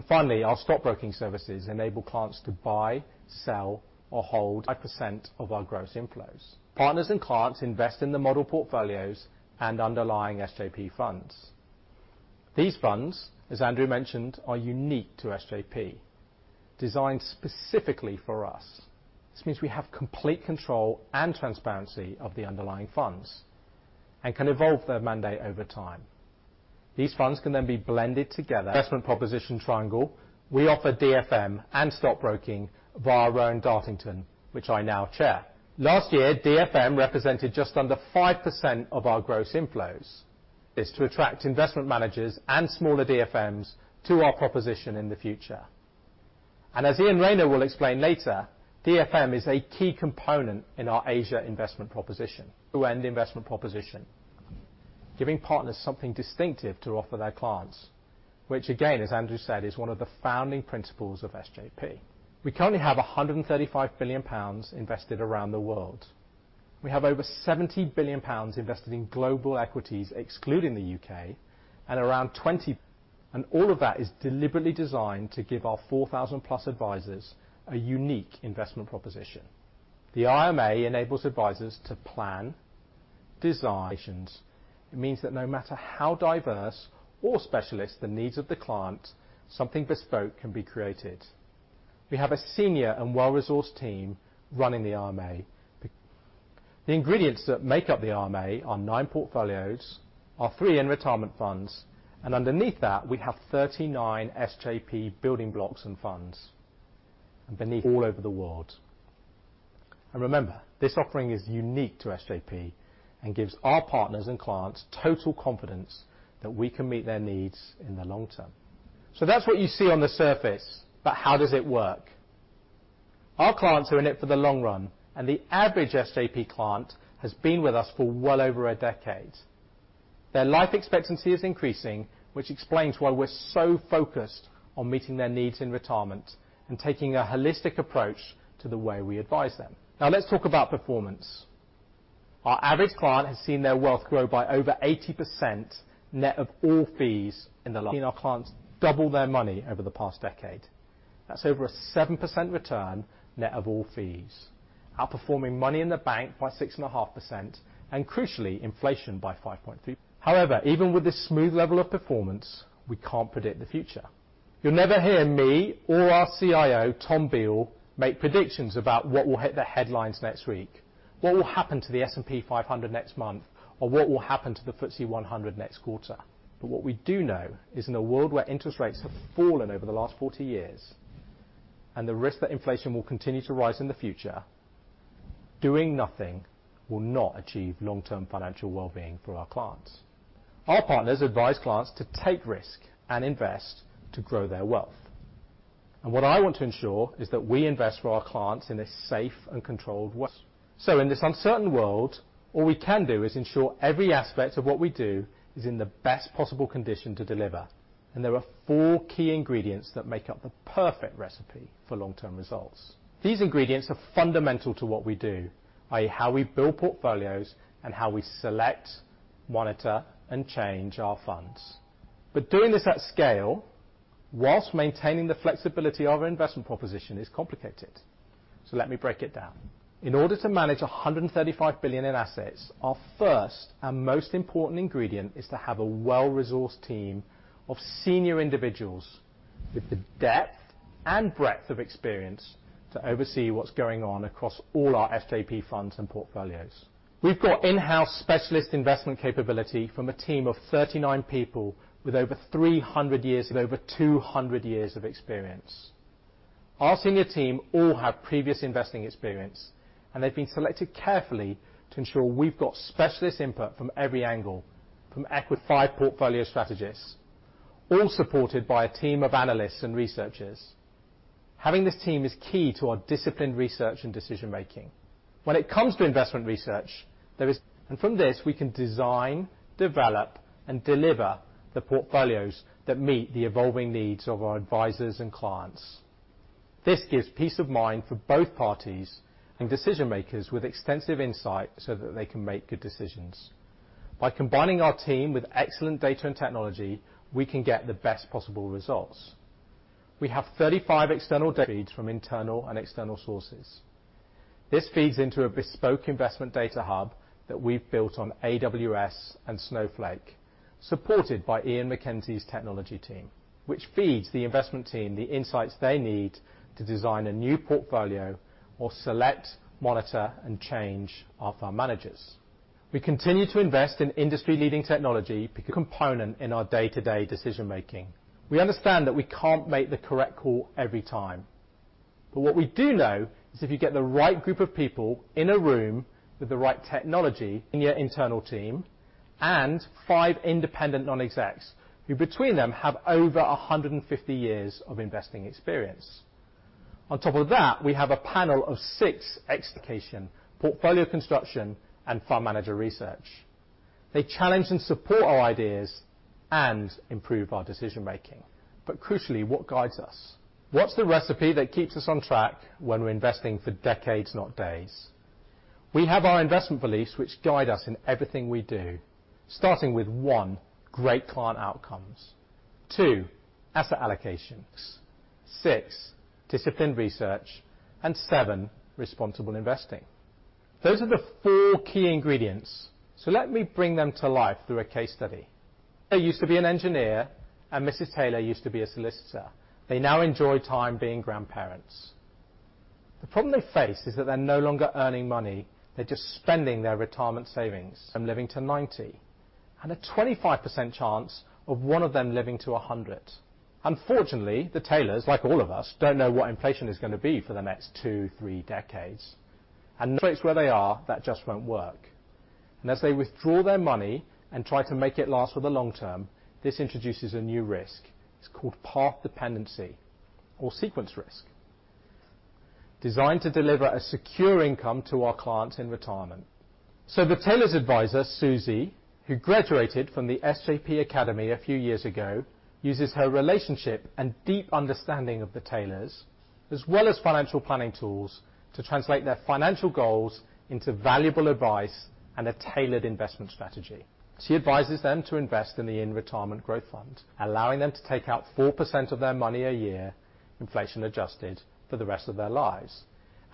Finally, our stockbroking services enable clients to buy, sell, or hold a percent of our gross inflows. Partners and clients invest in the model portfolios and underlying SJP funds. These funds, as Andrew mentioned, are unique to SJP, designed specifically for us, which means we have complete control and transparency of the underlying funds and can evolve their mandate over time. These funds can be blended together. Investment proposition triangle. We offer DFM and stockbroking via our own Rowan Dartington, which I now chair. Last year, DFM represented just under 5% of our gross inflows. Our aim is to attract investment managers and smaller DFMs to our proposition in the future. As Iain Rayner will explain later, DFM is a key component in our SJP Asia investment proposition. To end the investment proposition, giving partners something distinctive to offer their clients, which again, as Andrew said, is one of the founding principles of SJP. We currently have 135 billion pounds invested around the world. We have over 70 billion pounds invested in global equities, excluding the U.K. All of that is deliberately designed to give our 4,000+ advisors a unique investment proposition. The IMA enables advisors to plan, design. It means that no matter how diverse or specialist the needs of the client, something bespoke can be created. We have a senior and well-resourced team running the IMA. The ingredients that make up the IMA are nine portfolios, our three InRetirement funds, and underneath that, we have 39 SJP building blocks and funds. Remember, this offering is unique to SJP and gives our partners and clients total confidence that we can meet their needs in the long term. That's what you see on the surface, but how does it work? Our clients are in it for the long run, and the average SJP client has been with us for well over a decade. Their life expectancy is increasing, which explains why we're so focused on meeting their needs in retirement and taking a holistic approach to the way we advise them. Let's talk about performance. Our average client has seen their wealth grow by over 80% net of all fees, seen our clients double their money over the past decade. That's over a 7% return net of all fees, outperforming money in the bank by 6.5% and crucially, inflation by 5.2%. Even with this smooth level of performance, we can't predict the future. You'll never hear me or our CIO, Tom Beal, make predictions about what will hit the headlines next week, what will happen to the S&P 500 next month, or what will happen to the FTSE 100 next quarter. What we do know is in a world where interest rates have fallen over the last 40 years and the risk that inflation will continue to rise in the future, doing nothing will not achieve long-term financial wellbeing for our clients. Our partners advise clients to take risk and invest to grow their wealth. What I want to ensure is that we invest for our clients in a safe and controlled way. In this uncertain world, all we can do is ensure every aspect of what we do is in the best possible condition to deliver. There are four key ingredients that make up the perfect recipe for long-term results. These ingredients are fundamental to what we do, by how we build portfolios, and how we select, monitor, and change our funds Doing this at scale whilst maintaining the flexibility of our investment proposition is complicated. Let me break it down. In order to manage 135 billion in assets, our first and most important ingredient is to have a well-resourced team of senior individuals with the depth and breadth of experience to oversee what's going on across all our SJP funds and portfolios. We've got in-house specialist investment capability from a team of 39 people with over 300 years and over 200 years of experience. Our senior team all have previous investing experience, and they've been selected carefully to ensure we've got specialist input from every angle, from equity five portfolio strategists, all supported by a team of analysts and researchers. Having this team is key to our disciplined research and decision making. When it comes to investment research, there is. From this, we can design, develop, and deliver the portfolios that meet the evolving needs of our advisors and clients. This gives peace of mind for both parties and decision makers with extensive insight so that they can make good decisions. By combining our team with excellent data and technology, we can get the best possible results. We have 35 external data from internal and external sources. This feeds into a bespoke investment data hub that we've built on AWS and Snowflake, supported by Ian MacKenzie's technology team, which feeds the investment team the insights they need to design a new portfolio or select, monitor, and change our fund managers. We continue to invest in industry-leading technology component in our day-to-day decision making. We understand that we can't make the correct call every time. What we do know is if you get the right group of people in a room with the right technology in your internal team and five independent non-execs, who between them have over 150 years of investing experience. On top of that, we have a panel of six expectation, portfolio construction, and fund manager research. They challenge and support our ideas and improve our decision making. Crucially, what guides us? What's the recipe that keeps us on track when we're investing for decades, not days? We have our investment beliefs which guide us in everything we do, starting with, one, great client outcomes, two, asset allocations, six, disciplined research, and seven, responsible investing. Those are the four key ingredients. Let me bring them to life through a case study. They used to be an engineer, and Mrs. Taylor used to be a solicitor. They now enjoy time being grandparents. The problem they face is that they're no longer earning money. They're just spending their retirement savings and living to 90, and a 25% chance of one of them living to 100. Unfortunately, the Taylors, like all of us, don't know what inflation is going to be for the next two, three decades. It's where they are, that just won't work. As they withdraw their money and try to make it last for the long term, this introduces a new risk. It's called path dependency or sequence risk. Designed to deliver a secure income to our clients in retirement. The Taylors' advisor, Suzy, who graduated from the SJP Academy a few years ago, uses her relationship and deep understanding of the Taylors, as well as financial planning tools to translate their financial goals into valuable advice and a tailored investment strategy. She advises them to invest in the InRetirement Growth Fund, allowing them to take out 4% of their money a year, inflation adjusted for the rest of their lives.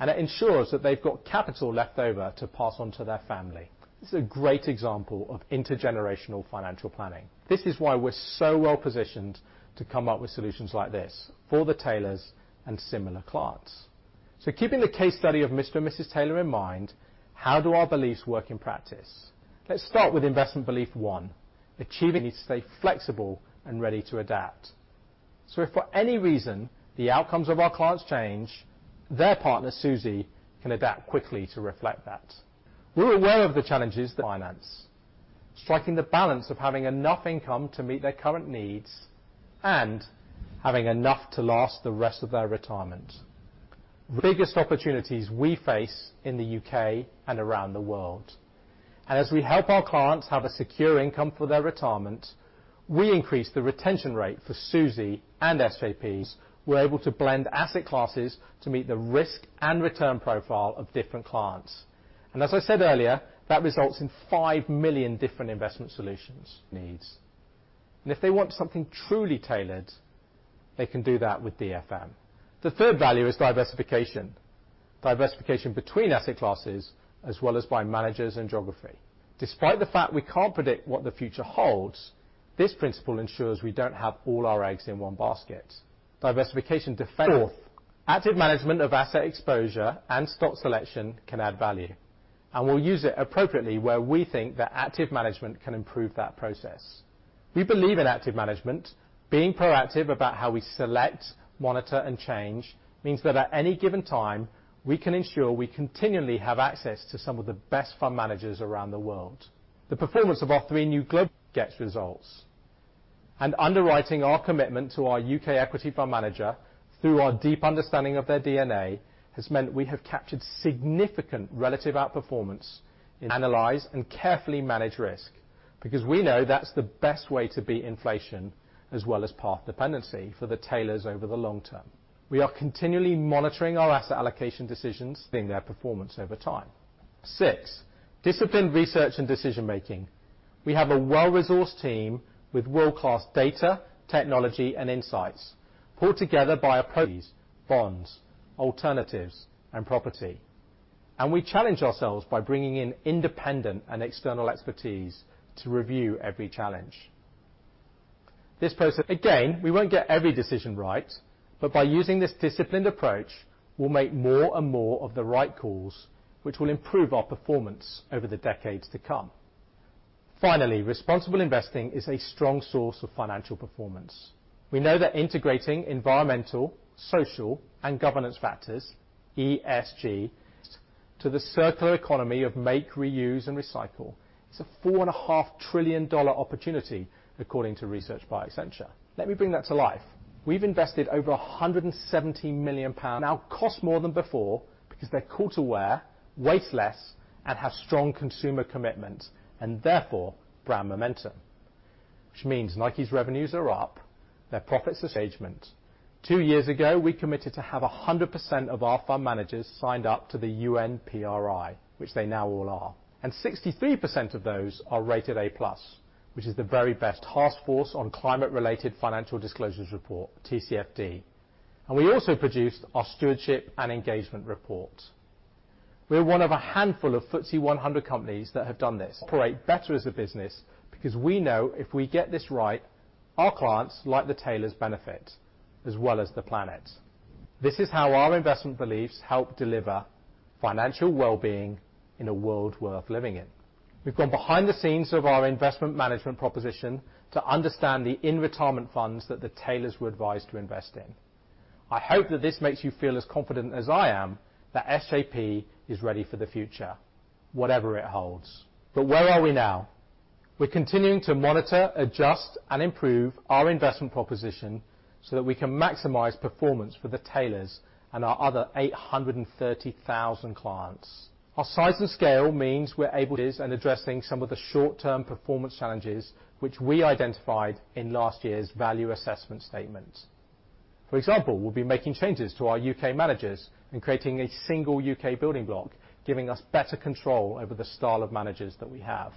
It ensures that they've got capital left over to pass on to their family. This is a great example of intergenerational financial planning. This is why we're so well-positioned to come up with solutions like this for the Taylors and similar clients. Keeping the case study of Mr. and Mrs. Taylor in mind, how do our beliefs work in practice? Let's start with investment belief one, achieving to stay flexible and ready to adapt. If for any reason the outcomes of our clients change, their partner, Suzy, can adapt quickly to reflect that. We're aware of the challenges finance, striking the balance of having enough income to meet their current needs and having enough to last the rest of their retirement. Biggest opportunities we face in the U.K. and around the world. As we help our clients have a secure income for their retirement, we increase the retention rate for Suzy and SJP's. We're able to blend asset classes to meet the risk and return profile of different clients. As I said earlier, that results in 5 million different investment solutions needs. If they want something truly tailored, they can do that with DFM. The third value is diversification. Diversification between asset classes as well as by managers and geography. Despite the fact we can't predict what the future holds, this principle ensures we don't have all our eggs in one basket. Diversification defends. Fourth, active management of asset exposure and stock selection can add value, and we'll use it appropriately where we think that active management can improve that process. We believe in active management. Being proactive about how we select, monitor, and change means that at any given time, we can ensure we continually have access to some of the best fund managers around the world. The performance of our three new global gets results. Underwriting our commitment to our UK equity fund manager through our deep understanding of their DNA has meant we have captured significant relative outperformance. Analyze and carefully manage risk because we know that's the best way to beat inflation as well as path dependency for the Taylors over the long term. We are continually monitoring our asset allocation decisions, seeing their performance over time. Six, disciplined research and decision-making. We have a well-resourced team with world-class data, technology, and insights pulled together by equities, bonds, alternatives, and property. We challenge ourselves by bringing in independent and external expertise to review every challenge. Again, we won't get every decision right, but by using this disciplined approach, we'll make more and more of the right calls, which will improve our performance over the decades to come. Finally, responsible investing is a strong source of financial performance. We know that integrating environmental, social, and governance factors, ESG, to the circular economy of make, reuse, and recycle is a GBP 4.5 trillion opportunity according to research by Accenture. Let me bring that to life. We've invested over 117 million pounds now cost more than before because they're culture aware, waste less, and have strong consumer commitment and therefore brand momentum, which means Nike's revenues are up, their engagement. Two years ago, we committed to have 100% of our fund managers signed up to the UN PRI, which they now all are, and 63% of those are rated A plus, which is the very best Task Force on Climate Related Financial Disclosures report, TCFD. We also produced our stewardship and engagement report. We're one of a handful of FTSE 100 companies that have done this. We operate better as a business because we know if we get this right, our clients, like the Taylors, benefit as well as the planet. This is how our investment beliefs help deliver financial well-being in a world worth living in. We've gone behind the scenes of our investment management proposition to understand the InRetirement funds that the Taylors were advised to invest in. I hope that this makes you feel as confident as I am that SJP is ready for the future, whatever it holds. Where are we now? We're continuing to monitor, adjust, and improve our investment proposition so that we can maximize performance for the Taylors and our other 830,000 clients. Our size and scale means we're able and addressing some of the short-term performance challenges which we identified in last year's Value Assessment Statement. For example, we'll be making changes to our U.K. managers and creating a single U.K. building block, giving us better control over the style of managers that we have.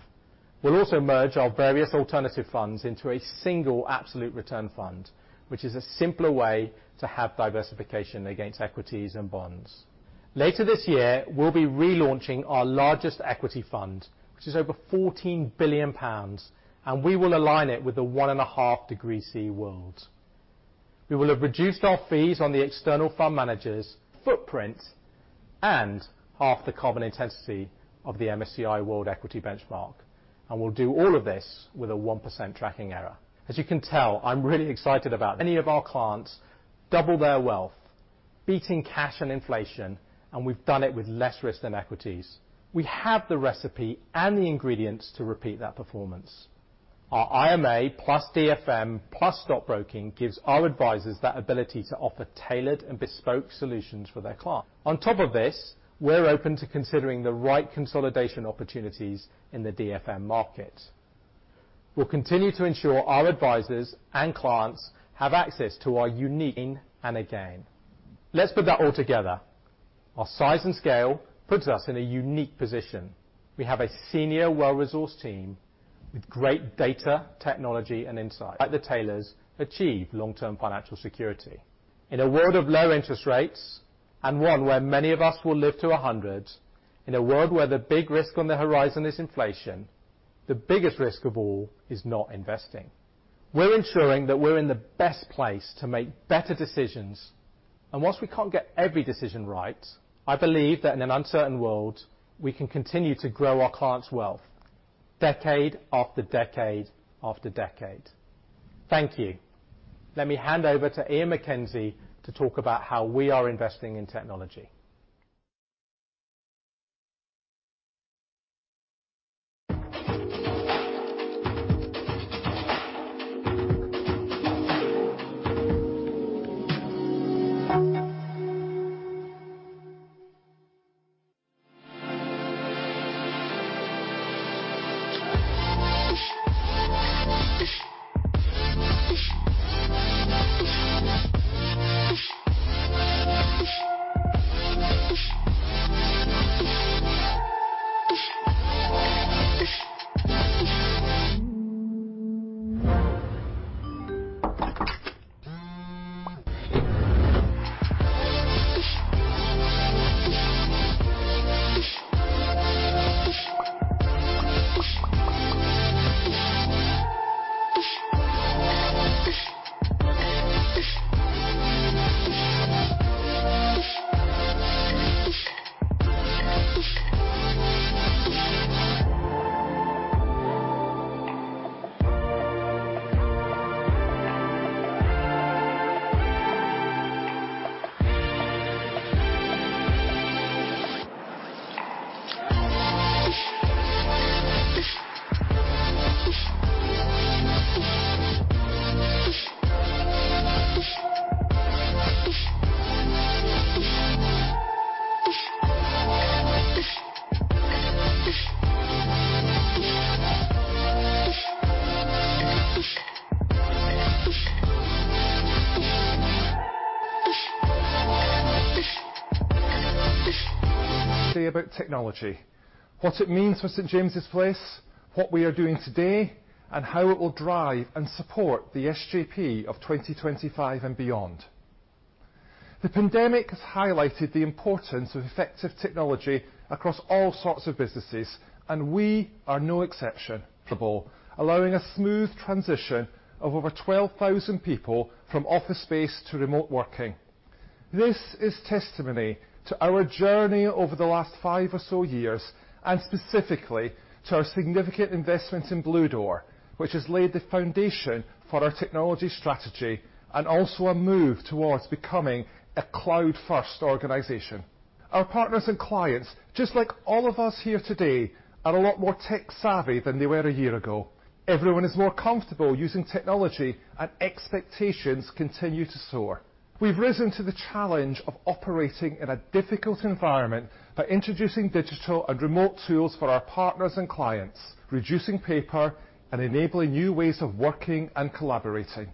We'll also merge our various alternative funds into a single absolute return fund, which is a simpler way to have diversification against equities and bonds. Later this year, we'll be relaunching our largest equity fund, which is over 14 billion pounds, and we will align it with the one and a half degree C world. We will have reduced our fees on the external fund managers' footprints and half the carbon intensity of the MSCI World Equity Benchmark, and we'll do all of this with a 1% tracking error. As you can tell, I'm really excited about many of our clients double their wealth, beating cash and inflation, and we've done it with less risk than equities. We have the recipe and the ingredients to repeat that performance. Our IMA plus DFM plus stockbroking gives our advisors that ability to offer tailored and bespoke solutions for their clients. On top of this, we're open to considering the right consolidation opportunities in the DFM market. We'll continue to ensure our advisors and clients have access to our unique and again. Let's put that all together. Our size and scale puts us in a unique position. We have a senior well-resourced team with great data, technology, and insight that the Taylors achieve long-term financial security. In a world of low interest rates and one where many of us will live to 100, in a world where the big risk on the horizon is inflation, the biggest risk of all is not investing. We're ensuring that we're in the best place to make better decisions, and whilst we can't get every decision right, I believe that in an uncertain world, we can continue to grow our clients' wealth decade after decade after decade. Thank you. Let me hand over to Ian MacKenzie to talk about how we are investing in technology. Today about technology, what it means for St. James's Place, what we are doing today, and how it will drive and support the SJP of 2025 and beyond. The pandemic has highlighted the importance of effective technology across all sorts of businesses, and we are no exception. Allowing a smooth transition of over 12,000 people from office space to remote working. This is testimony to our journey over the last five or so years, and specifically to our significant investment in Bluedoor, which has laid the foundation for our technology strategy, and also our move towards becoming a cloud-first organization. Our partners and clients, just like all of us here today, are a lot more tech-savvy than they were a year ago. Everyone is more comfortable using technology, and expectations continue to soar. We've risen to the challenge of operating in a difficult environment by introducing digital and remote tools for our partners and clients, reducing paper and enabling new ways of working and collaborating.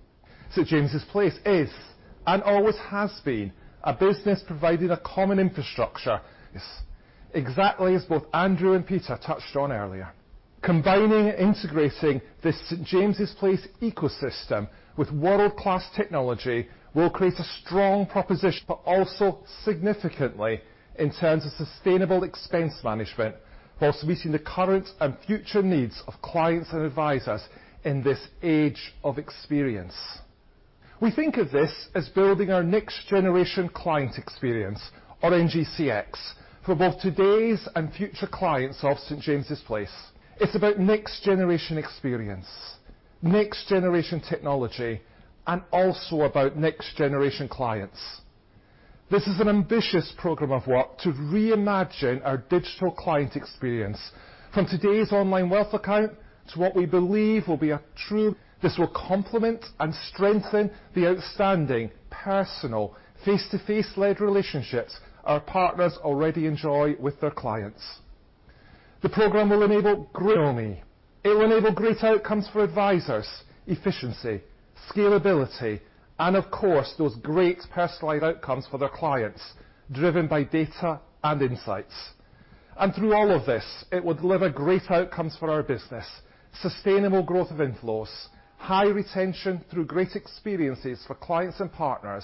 St. James's Place is, and always has been, a business providing a common infrastructure. Exactly as both Andrew and Peter touched on earlier. Combining and integrating the St. James's Place ecosystem with world-class technology will create a strong proposition, but also significantly in terms of sustainable expense management, while meeting the current and future needs of clients and advisors in this age of experience. We think of this as building our next generation client experience, or NGCX, for both today's and future clients of St. James's Place. It's about next generation experience, next generation technology, and also about next generation clients. This is an ambitious program of work to reimagine our digital client experience. From today's Online Wealth Account. This will complement and strengthen the outstanding personal face-to-face led relationships our partners already enjoy with their clients. The program will enable great outcomes for advisors, efficiency, scalability, and of course, those great personalized outcomes for their clients, driven by data and insights. Through all of this, it would deliver great outcomes for our business. Sustainable growth of inflows, high retention through great experiences for clients and partners,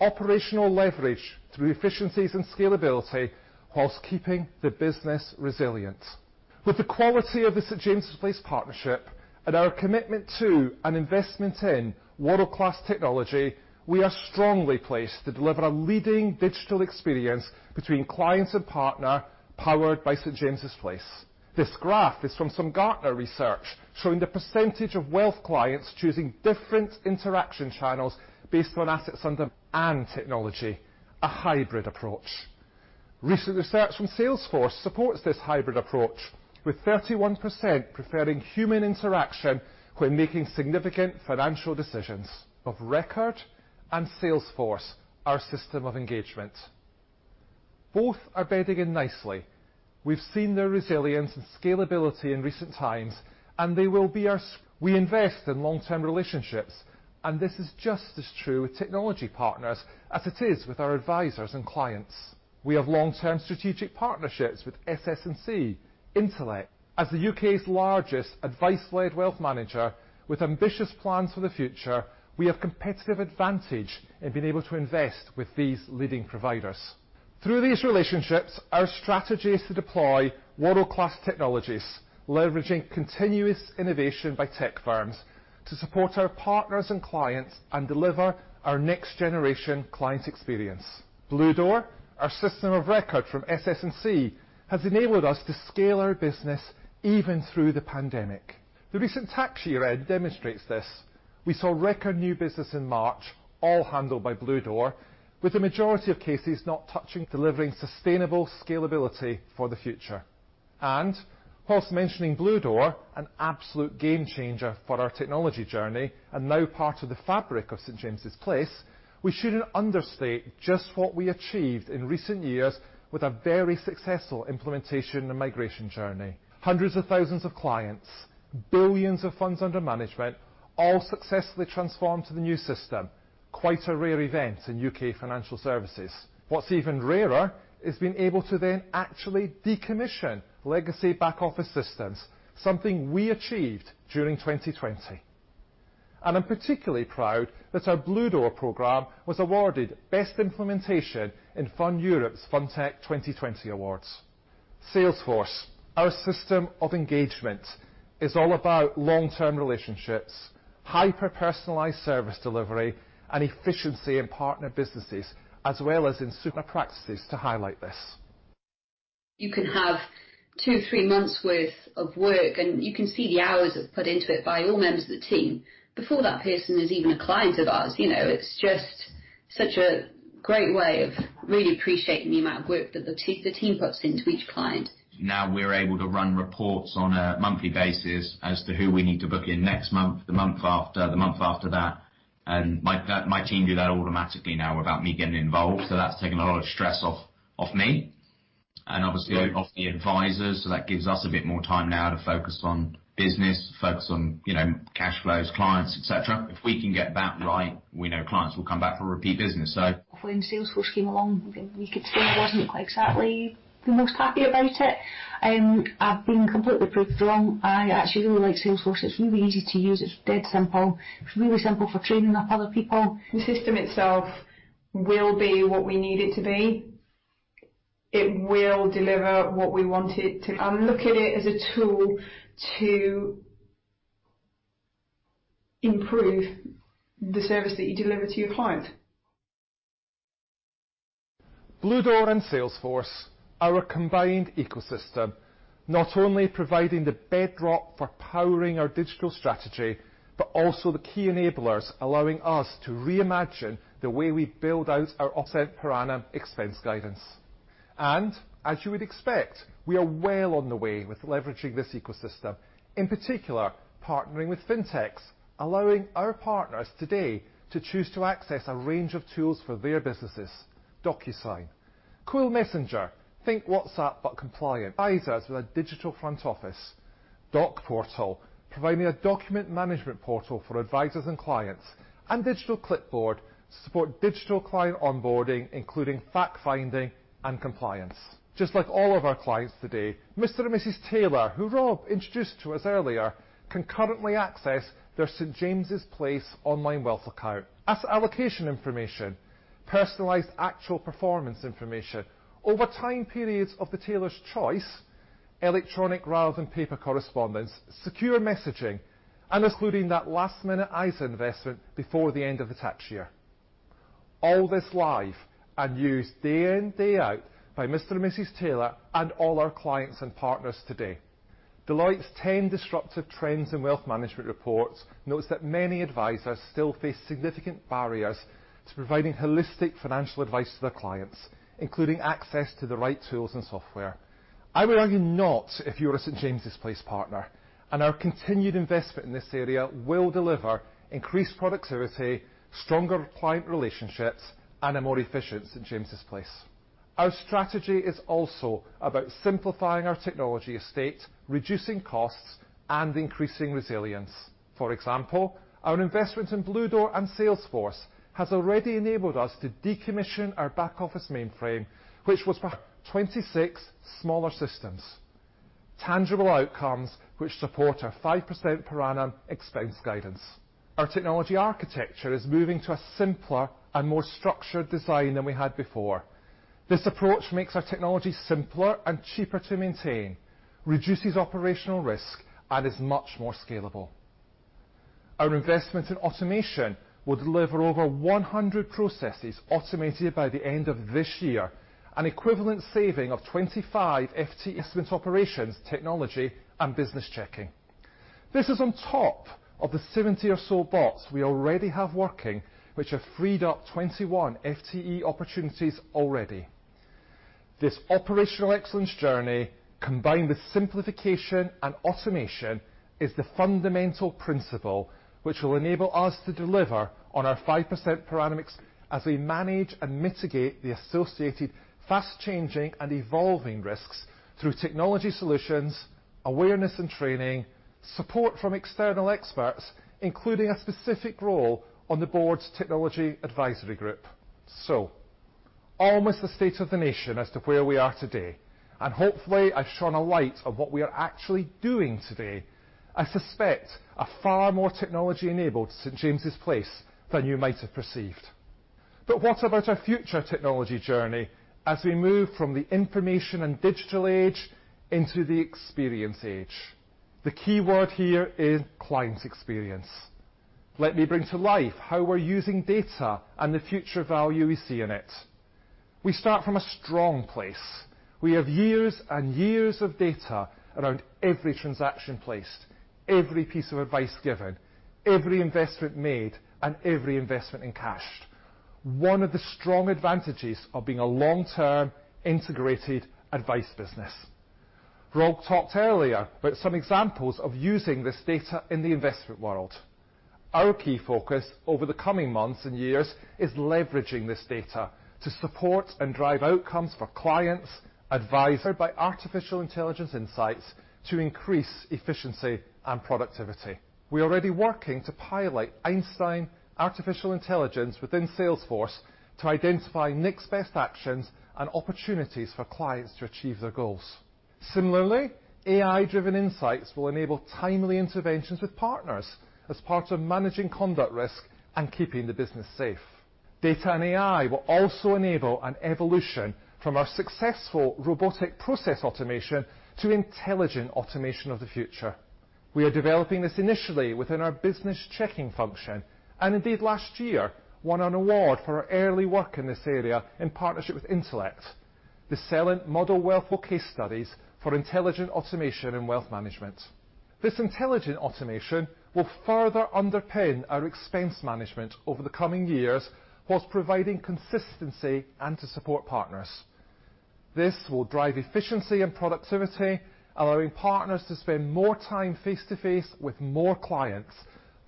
operational leverage through efficiencies and scalability, while keeping the business resilient. The quality of the St. James's Place partnership and our commitment to and investment in world-class technology, we are strongly placed to deliver a leading digital experience between clients and partner, powered by St. James's Place. This graph is from some Gartner research showing the percentage of wealth clients choosing different interaction channels based on assets under And technology. A hybrid approach. Recent research from Salesforce supports this hybrid approach, with 31% preferring human interaction when making significant financial decisions. Of record and Salesforce, our system of engagement. Both are bedding in nicely. We've seen their resilience and scalability in recent times. We invest in long-term relationships. This is just as true with technology partners as it is with our advisors and clients. We have long-term strategic partnerships with SS&C Intellect. As the U.K.'s largest advice-led wealth manager with ambitious plans for the future, we have competitive advantage in being able to invest with these leading providers. Through these relationships, our strategy is to deploy world-class technologies, leveraging continuous innovation by tech firms to support our partners and clients and deliver our next generation client experience. Bluedoor, our system of record from SS&C, has enabled us to scale our business even through the pandemic. The recent tax year end demonstrates this. We saw record new business in March, all handled by Bluedoor, with the majority of cases not touching. Delivering sustainable scalability for the future. While mentioning Bluedoor, an absolute game changer for our technology journey and now part of the fabric of St. James's Place, we shouldn't understate just what we achieved in recent years with a very successful implementation and migration journey. Hundreds of thousands of clients, billions of funds under management, all successfully transformed to the new system. Quite a rare event in U.K. financial services. What's even rarer is being able to then actually decommission legacy back office systems, something we achieved during 2020. I'm particularly proud that our Bluedoor program was awarded Best Implementation in Funds Europe FundTech Awards 2020. Salesforce, our system of engagement, is all about long-term relationships, hyper-personalized service delivery, and efficiency in partner businesses, as well as in super practices. To highlight this. You can have two, three months worth of work, you can see the hours they've put into it by all members of the team before that person is even a client of ours. It's just such a great way of really appreciating the amount of work that the team puts in for each client. We're able to run reports on a monthly basis as to who we need to book in next month, the month after, the month after that. My team do that automatically now without me getting involved. That's taking a lot of stress off me. Obviously it off the advisors. That gives us a bit more time now to focus on business, to focus on cash flows, clients, et cetera. If we can get that right, we know clients will come back for repeat business. When Salesforce came along, you could say I wasn't exactly the most happy about it. I've been completely proved wrong. I actually really like Salesforce. It's really easy to use. It's dead simple. It's really simple for training up other people. The system itself will be what we need it to be. It will deliver what we want it to. Look at it as a tool to improve the service that you deliver to your client. Bluedoor and Salesforce, our combined ecosystem, not only providing the bedrock for powering our digital strategy, but also the key enablers allowing us to reimagine the way we build out our offset per annum expense guidance. As you would expect, we are well on the way with leveraging this ecosystem, in particular partnering with fintechs, allowing our partners today to choose to access a range of tools for their businesses. DocuSign, Qwil Messenger, think WhatsApp, but compliant. Advisors with a digital front office. DocPortal, providing a document management portal for advisors and clients, and Digital Clipboard to support digital client onboarding, including fact-finding and compliance. Just like all of our clients today, Mr. and Mrs. Taylor, who Rob introduced to us earlier, can currently access their St. James's Place Online Wealth Account. Asset allocation information, personalized actual performance information over time periods of the Taylors' choice, electronic rather than paper correspondence, secure messaging, and including that last-minute ISA investment before the end of the tax year. All this live and used day in, day out by Mr. and Mrs. Taylor and all our clients and partners today. Deloitte's 10 Disruptive Trends in Wealth Management reports notes that many advisors still face significant barriers to providing holistic financial advice to their clients, including access to the right tools and software. I would argue not if you're a St. James's Place partner. Our continued investment in this area will deliver increased productivity, stronger client relationships, and a more efficient St. James's Place. Our strategy is also about simplifying our technology estate, reducing costs, and increasing resilience. For example, our investment in Bluedoor and Salesforce has already enabled us to decommission our back office mainframe, which was for 26 smaller systems. Tangible outcomes which support our 5% per annum expense guidance. Our technology architecture is moving to a simpler and more structured design than we had before. This approach makes our technology simpler and cheaper to maintain, reduces operational risk, and is much more scalable. Our investment in automation will deliver over 100 processes automated by the end of this year, an equivalent saving of 25 FTE equivalent operations, technology, and business checking. This is on top of the 70 or so bots we already have working, which have freed up 21 FTE opportunities already. This operational excellence journey, combined with simplification and automation, is the fundamental principle which will enable us to deliver on our 5% per annum as we manage and mitigate the associated fast-changing and evolving risks through technology solutions, awareness and training, support from external experts, including a specific role on the board's technology advisory group. Almost the state of the nation as to where we are today, and hopefully I've shone a light on what we are actually doing today. I suspect a far more technology-enabled St. James's Place than you might have perceived. What about our future technology journey as we move from the information and digital age into the experience age? The key word here is client experience. Let me bring to life how we're using data and the future value we see in it. We start from a strong place. We have years and years of data around every transaction placed, every piece of advice given, every investment made, and every investment encashed. One of the strong advantages of being a long-term integrated advice business. Rob talked earlier about some examples of using this data in the investment world. Our key focus over the coming months and years is leveraging this data to support and drive outcomes for clients, advisors by artificial intelligence insights to increase efficiency and productivity. We're already working to pilot Einstein artificial intelligence within Salesforce to identify next best actions and opportunities for clients to achieve their goals. Similarly, AI-driven insights will enable timely interventions with partners as part of managing conduct risk and keeping the business safe. Data and AI will also enable an evolution from our successful robotic process automation to intelligent automation of the future. We are developing this initially within our business checking function, and indeed last year won an award for our early work in this area in partnership with Intellect, the Celent Model Wealth Manager for case studies for intelligent automation and wealth management. This intelligent automation will further underpin our expense management over the coming years whilst providing consistency and to support partners. This will drive efficiency and productivity, allowing partners to spend more time face-to-face with more clients,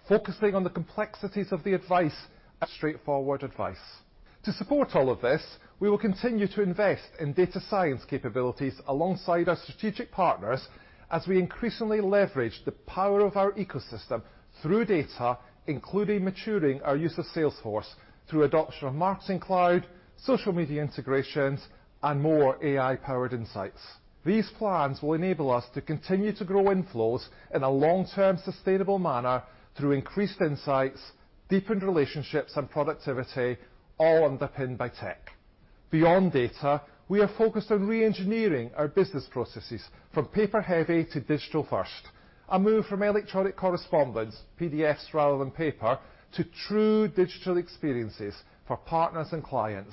focusing on the complexities of the advice and straightforward advice. To support all of this, we will continue to invest in data science capabilities alongside our strategic partners as we increasingly leverage the power of our ecosystem through data, including maturing our use of Salesforce through adoption of Marketing Cloud, social media integrations, and more AI-powered insights. These plans will enable us to continue to grow inflows in a long-term, sustainable manner through increased insights, deepened relationships and productivity, all underpinned by tech. Beyond data, we are focused on re-engineering our business processes from paper-heavy to digital-first, and move from electronic correspondence, PDFs rather than paper, to true digital experiences for partners and clients,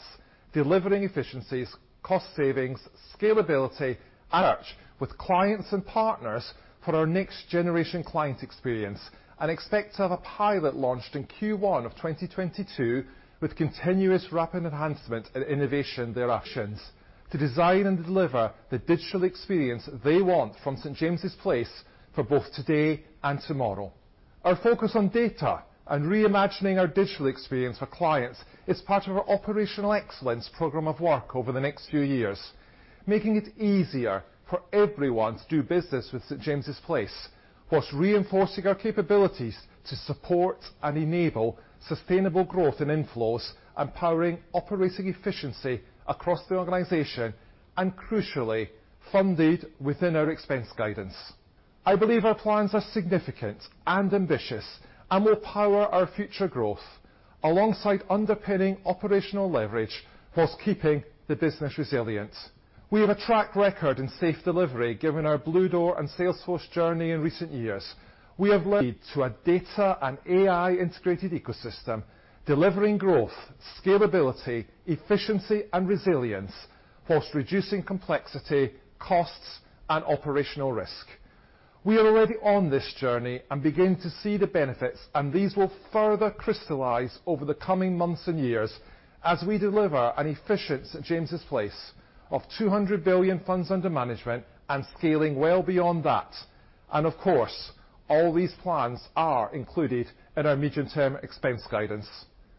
delivering efficiencies, cost savings, scalability, and much with clients and partners for our Next Generation Client Experience, and expect to have a pilot launched in Q1 of 2022 with continuous rapid enhancement and innovation thereafter to design and deliver the digital experience they want from St. James's Place for both today and tomorrow. Our focus on data and reimagining our digital experience for clients is part of our operational excellence program of work over the next few years, making it easier for everyone to do business with St. James's Place while reinforcing our capabilities to support and enable sustainable growth in inflows and powering operating efficiency across the organization, and crucially, funded within our expense guidance. I believe our plans are significant and ambitious and will power our future growth alongside underpinning operational leverage while keeping the business resilient. We have a track record in safe delivery given our Bluedoor and Salesforce journey in recent years. We have led to a data and AI integrated ecosystem, delivering growth, scalability, efficiency, and resilience while reducing complexity, costs, and operational risk. We are already on this journey and beginning to see the benefits, and these will further crystallize over the coming months and years as we deliver an efficient St. James's Place of 200 billion funds under management and scaling well beyond that. Of course, all these plans are included in our medium-term expense guidance.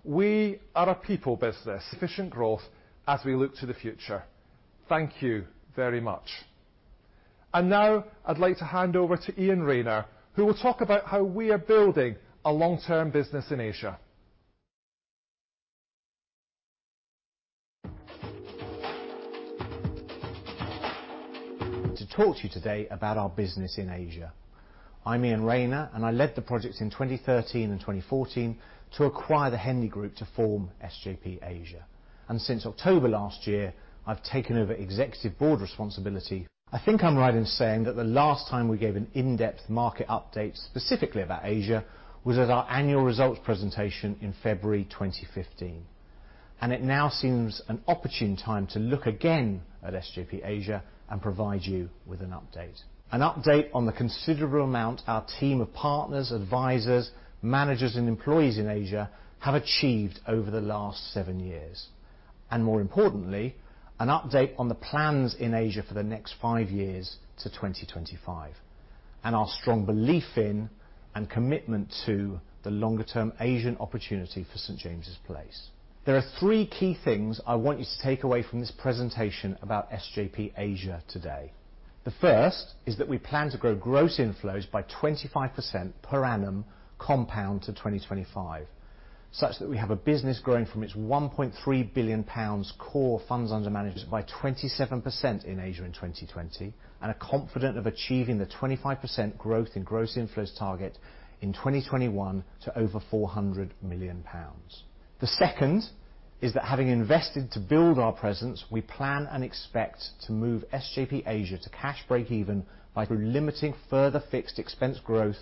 We are a people business. Efficient growth as we look to the future. Thank you very much. Now I'd like to hand over to Iain Rayner, who will talk about how we are building a long-term business in Asia. To talk to you today about our business in Asia. I'm Iain Rayner, and I led the projects in 2013 and 2014 to acquire The Henley Group to form SJP Asia. Since October last year, I've taken over executive board responsibility. I think I'm right in saying that the last time we gave an in-depth market update specifically about Asia was at our annual results presentation in February 2015. It now seems an opportune time to look again at SJP Asia and provide you with an update. An update on the considerable amount our team of partners, advisors, managers, and employees in Asia have achieved over the last seven years. More importantly, an update on the plans in Asia for the next five years to 2025, and our strong belief in and commitment to the longer-term Asian opportunity for St. James's Place. There are three key things I want you to take away from this presentation about SJP Asia today. The first is that we plan to grow gross inflows by 25% per annum compound to 2025, such that we have a business growing from its 1.3 billion pounds core funds under management by 27% in Asia in 2020, and are confident of achieving the 25% growth in gross inflows target in 2021 to over 400 million pounds. The second is that having invested to build our presence, we plan and expect to move SJP Asia to cash breakeven by limiting further fixed expense growth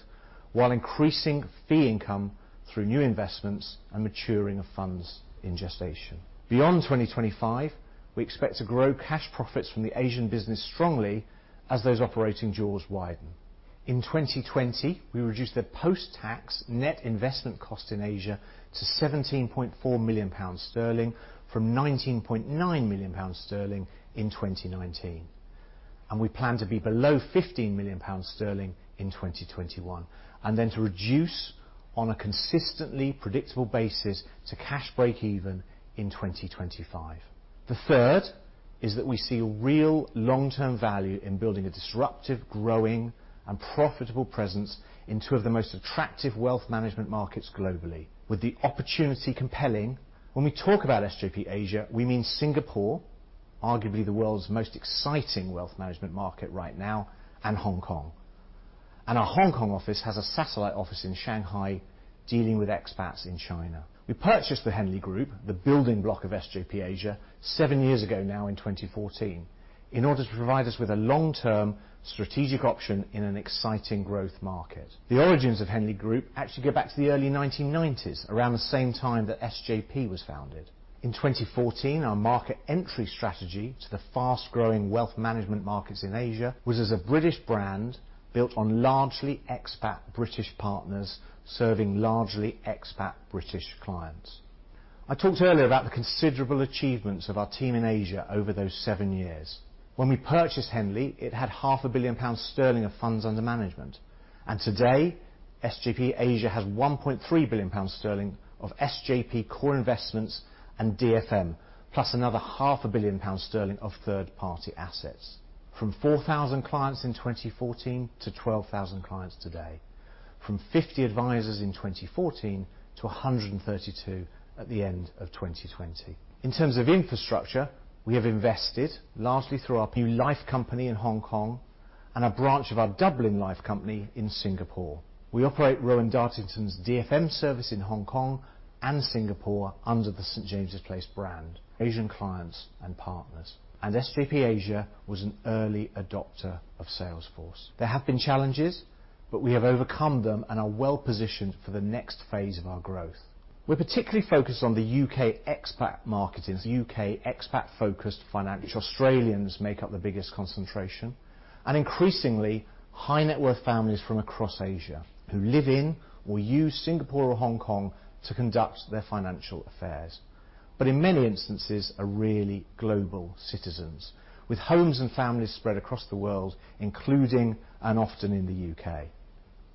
while increasing fee income through new investments and maturing of funds in gestation. Beyond 2025, we expect to grow cash profits from the Asian business strongly as those operating jaws widen. In 2020, we reduced the post-tax net investment cost in Asia to 17.4 million sterling from 19.9 million sterling in 2019. We plan to be below 15 million sterling in 2021, then to reduce on a consistently predictable basis to cash breakeven in 2025. The third is that we see a real long-term value in building a disruptive, growing, and profitable presence in two of the most attractive wealth management markets globally. With the opportunity compelling, when we talk about SJP Asia, we mean Singapore, arguably the world's most exciting wealth management market right now, and Hong Kong. Our Hong Kong office has a satellite office in Shanghai dealing with expats in China. We purchased The Henley Group, the building block of SJP Asia, seven years ago now in 2014, in order to provide us with a long-term strategic option in an exciting growth market. The origins of The Henley Group actually go back to the early 1990s, around the same time that SJP was founded. In 2014, our market entry strategy to the fast-growing wealth management markets in Asia was as a British brand built on largely expat British partners serving largely expat British clients. I talked earlier about the considerable achievements of our team in Asia over those seven years. When we purchased Henley, it had half a billion pound sterling of funds under management. SJP Asia has 1.3 billion sterling of SJP core investments and DFM, plus another 500,000,000 sterling of third-party assets. From 4,000 clients in 2014 to 12,000 clients today. From 50 advisors in 2014 to 132 at the end of 2020. In terms of infrastructure, we have invested largely through our new life company in Hong Kong and a branch of our Dublin Life company in Singapore. We operate Rowan Dartington's DFM service in Hong Kong and Singapore under the St. James's Place brand. Asian clients and partners. SJP Asia was an early adopter of Salesforce. There have been challenges, but we have overcome them and are well-positioned for the next phase of our growth. We're particularly focused on the U.K. expat market as a U.K. expat-focused finance, which Australians make up the biggest concentration, and increasingly high-net-worth families from across Asia who live in or use Singapore or Hong Kong to conduct their financial affairs. In many instances are really global citizens with homes and families spread across the world, including and often in the U.K.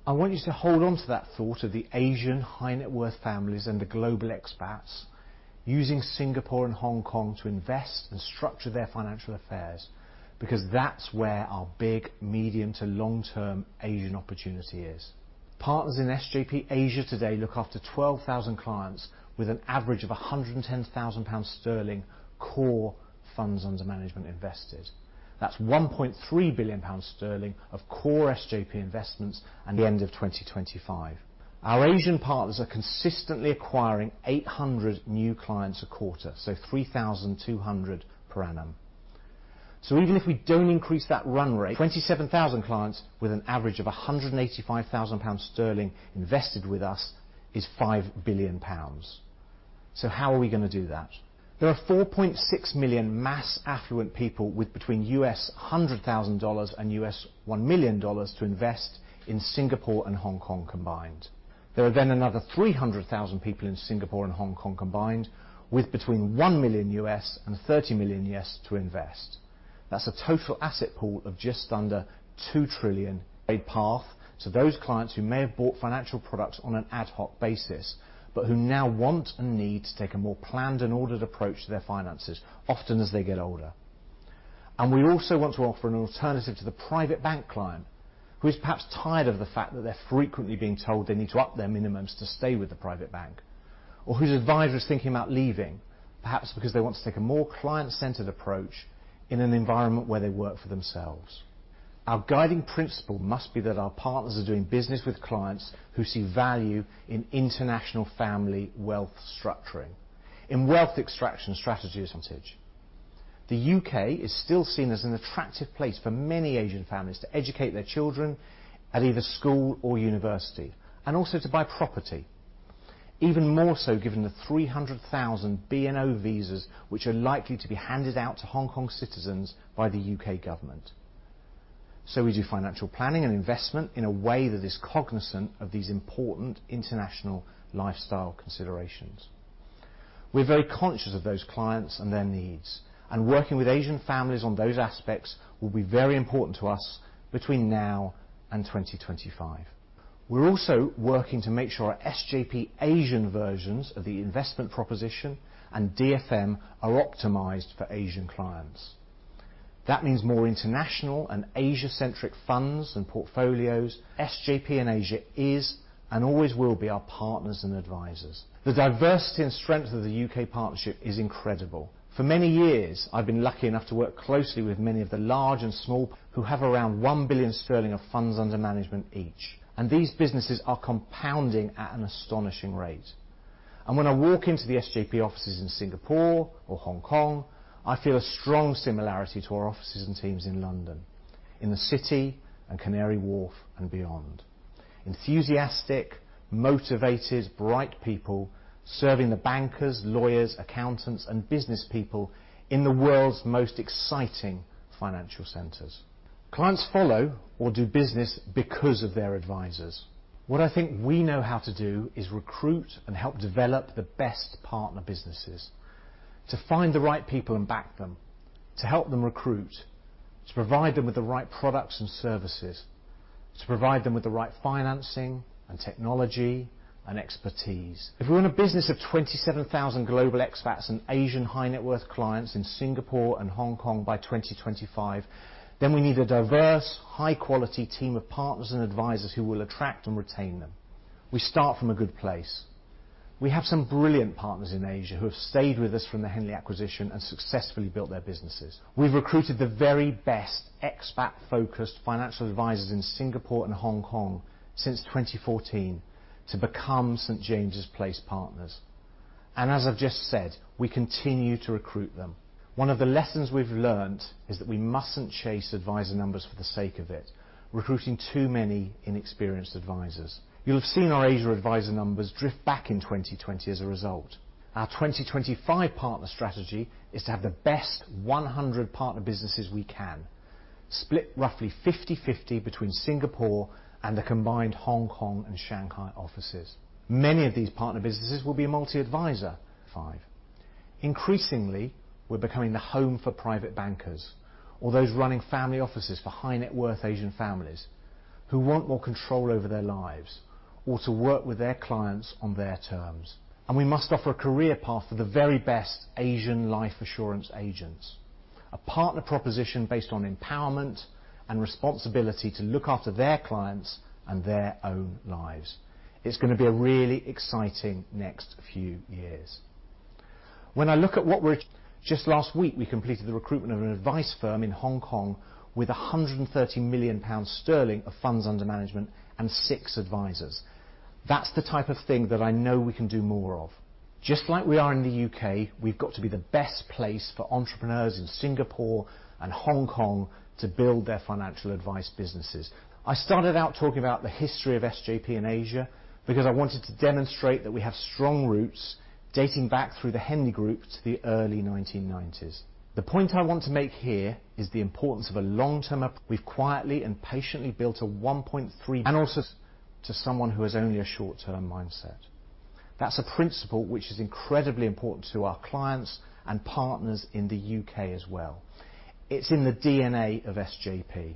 I want you to hold on to that thought of the Asian high-net-worth families and the global expats using Singapore and Hong Kong to invest and structure their financial affairs because that's where our big medium to long-term Asian opportunity is. Partners in SJP Asia today look after 12,000 clients with an average of 110,000 sterling core funds under management invested. That's 1.3 billion sterling of core SJP investments at the end of 2025. Our Asian partners are consistently acquiring 800 new clients a quarter, 3,200 per annum. Even if we don't increase that run rate, 27,000 clients with an average of 185,000 sterling invested with us is 5 billion pounds. How are we going to do that? There are 4.6 million mass affluent people with between $100,000 and $1 million to invest in Singapore and Hong Kong combined. There are another 300,000 people in Singapore and Hong Kong combined with between $1 million and $30 million to invest. That's a total asset pool of just under 2 trillion. A path to those clients who may have bought financial products on an ad hoc basis, but who now want and need to take a more planned and ordered approach to their finances, often as they get older. We also want to offer an alternative to the private bank client who is perhaps tired of the fact that they're frequently being told they need to up their minimums to stay with the private bank, or whose advisor is thinking about leaving, perhaps because they want to take a more client-centered approach in an environment where they work for themselves. Our guiding principle must be that our partners are doing business with clients who see value in international family wealth structuring, in wealth extraction strategies. The U.K. is still seen as an attractive place for many Asian families to educate their children at either school or university, and also to buy property. Even more so given the 300,000 BNO visas which are likely to be handed out to Hong Kong citizens by the U.K. government. We do financial planning and investment in a way that is cognizant of these important international lifestyle considerations. We're very conscious of those clients and their needs, working with Asian families on those aspects will be very important to us between now and 2025. We're also working to make sure our SJP Asian versions of the investment proposition and DFM are optimized for Asian clients. That means more international and Asia-centric funds and portfolios. SJP in Asia is and always will be our partners and advisors. The diversity and strength of the U.K. partnership is incredible. For many years, I've been lucky enough to work closely with many of the large and small who have around 1 billion sterling of funds under management each. These businesses are compounding at an astonishing rate. When I walk into the SJP offices in Singapore or Hong Kong, I feel a strong similarity to our offices and teams in London, in the City and Canary Wharf and beyond. Enthusiastic, motivated, bright people serving the bankers, lawyers, accountants, and business people in the world's most exciting financial centers. Clients follow or do business because of their advisors. What I think we know how to do is recruit and help develop the best partner businesses to find the right people and back them, to help them recruit, to provide them with the right products and services, to provide them with the right financing and technology and expertise. If we're in a business of 27,000 global expats and Asian high-net-worth clients in Singapore and Hong Kong by 2025, then we need a diverse, high-quality team of partners and advisors who will attract and retain them. We start from a good place. We have some brilliant partners in Asia who have stayed with us from the Henley acquisition and successfully built their businesses. We've recruited the very best expat-focused financial advisors in Singapore and Hong Kong since 2014 to become St. James's Place partners. As I've just said, we continue to recruit them. One of the lessons we've learned is that we mustn't chase advisor numbers for the sake of it, recruiting too many inexperienced advisors. You'll have seen our Asia advisor numbers drift back in 2020 as a result. Our 2025 partner strategy is to have the best 100 partner businesses we can, split roughly 50/50 between Singapore and the combined Hong Kong and Shanghai offices. Many of these partner businesses will be multi-advisor. Increasingly, we're becoming the home for private bankers or those running family offices for high-net-worth Asian families who want more control over their lives or to work with their clients on their terms. We must offer a career path for the very best Asian life assurance agents. A partner proposition based on empowerment and responsibility to look after their clients and their own lives. It's going to be a really exciting next few years. Just last week, we completed the recruitment of an advice firm in Hong Kong with 130 million sterling of funds under management and six advisors. That's the type of thing that I know we can do more of. Just like we are in the U.K., we've got to be the best place for entrepreneurs in Singapore and Hong Kong to build their financial advice businesses. I started out talking about the history of SJP in Asia because I wanted to demonstrate that we have strong roots dating back through The Henley Group to the early 1990s. The point I want to make here is the importance of a long-term-- We've quietly and patiently built a 1.3-- and also to someone who has only a short-term mindset. That's a principle which is incredibly important to our clients and partners in the U.K. as well. It's in the DNA of SJP.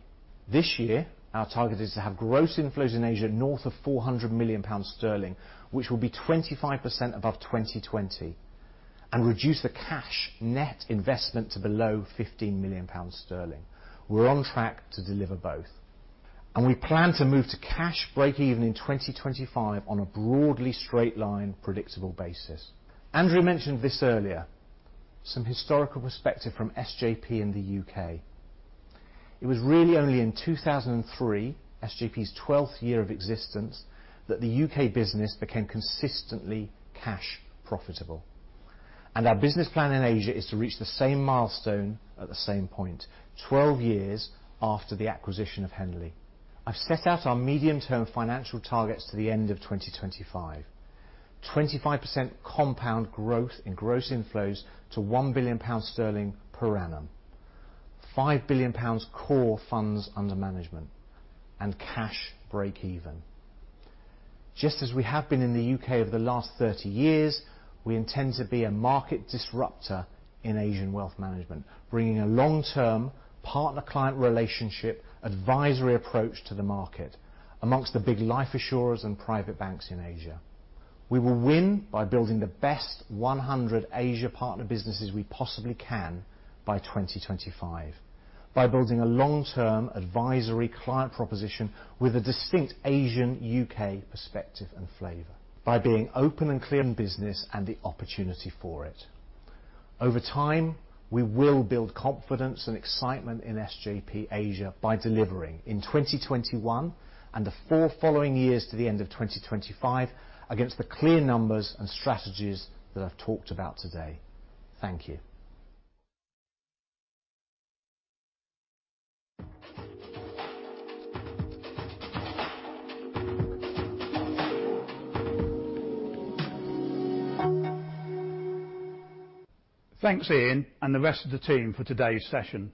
This year, our target is to have gross inflows in Asia north of 400 million sterling, which will be 25% above 2020, Reduce the cash net investment to below 15 million sterling. We're on track to deliver both. We plan to move to cash breakeven in 2025 on a broadly straight-line predictable basis. Andrew mentioned this earlier, some historical perspective from SJP in the U.K. It was really only in 2003, SJP's 12th year of existence, that the U.K. business became consistently cash profitable. Our business plan in Asia is to reach the same milestone at the same point, 12 years after the acquisition of Henley. I've set out our medium-term financial targets to the end of 2025, 25% compound growth in gross inflows to 1 billion pounds per annum, 5 billion pounds core funds under management, and cash breakeven. Just as we have been in the U.K. over the last 30 years, we intend to be a market disruptor in Asian wealth management, bringing a long-term partner-client relationship advisory approach to the market amongst the big life insurers and private banks in Asia. We will win by building the best 100 Asia partner businesses we possibly can by 2025, by building a long-term advisory client proposition with a distinct Asian-U.K. perspective and flavor, by being open and clear in business and the opportunity for it. Over time, we will build confidence and excitement in SJP Asia by delivering in 2021 and the four following years to the end of 2025 against the clear numbers and strategies that I've talked about today. Thank you. Thanks, Iain, and the rest of the team for today's session.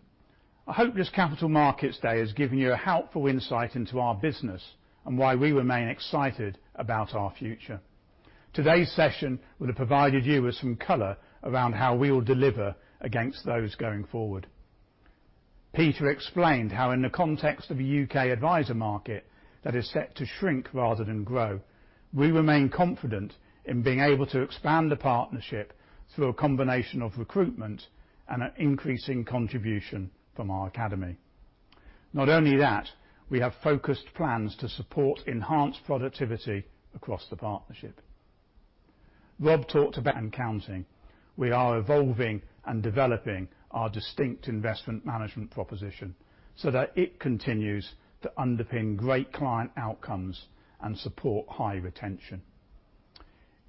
I hope this Capital Markets Day has given you a helpful insight into our business and why we remain excited about our future. Today's session will have provided you with some color around how we will deliver against those going forward. Peter explained how in the context of a U.K. advisor market that is set to shrink rather than grow, we remain confident in being able to expand the partnership through a combination of recruitment and an increasing contribution from our Academy. Not only that, we have focused plans to support enhanced productivity across the partnership. Rob talked about accounting. We are evolving and developing our distinct investment management proposition so that it continues to underpin great client outcomes and support high retention.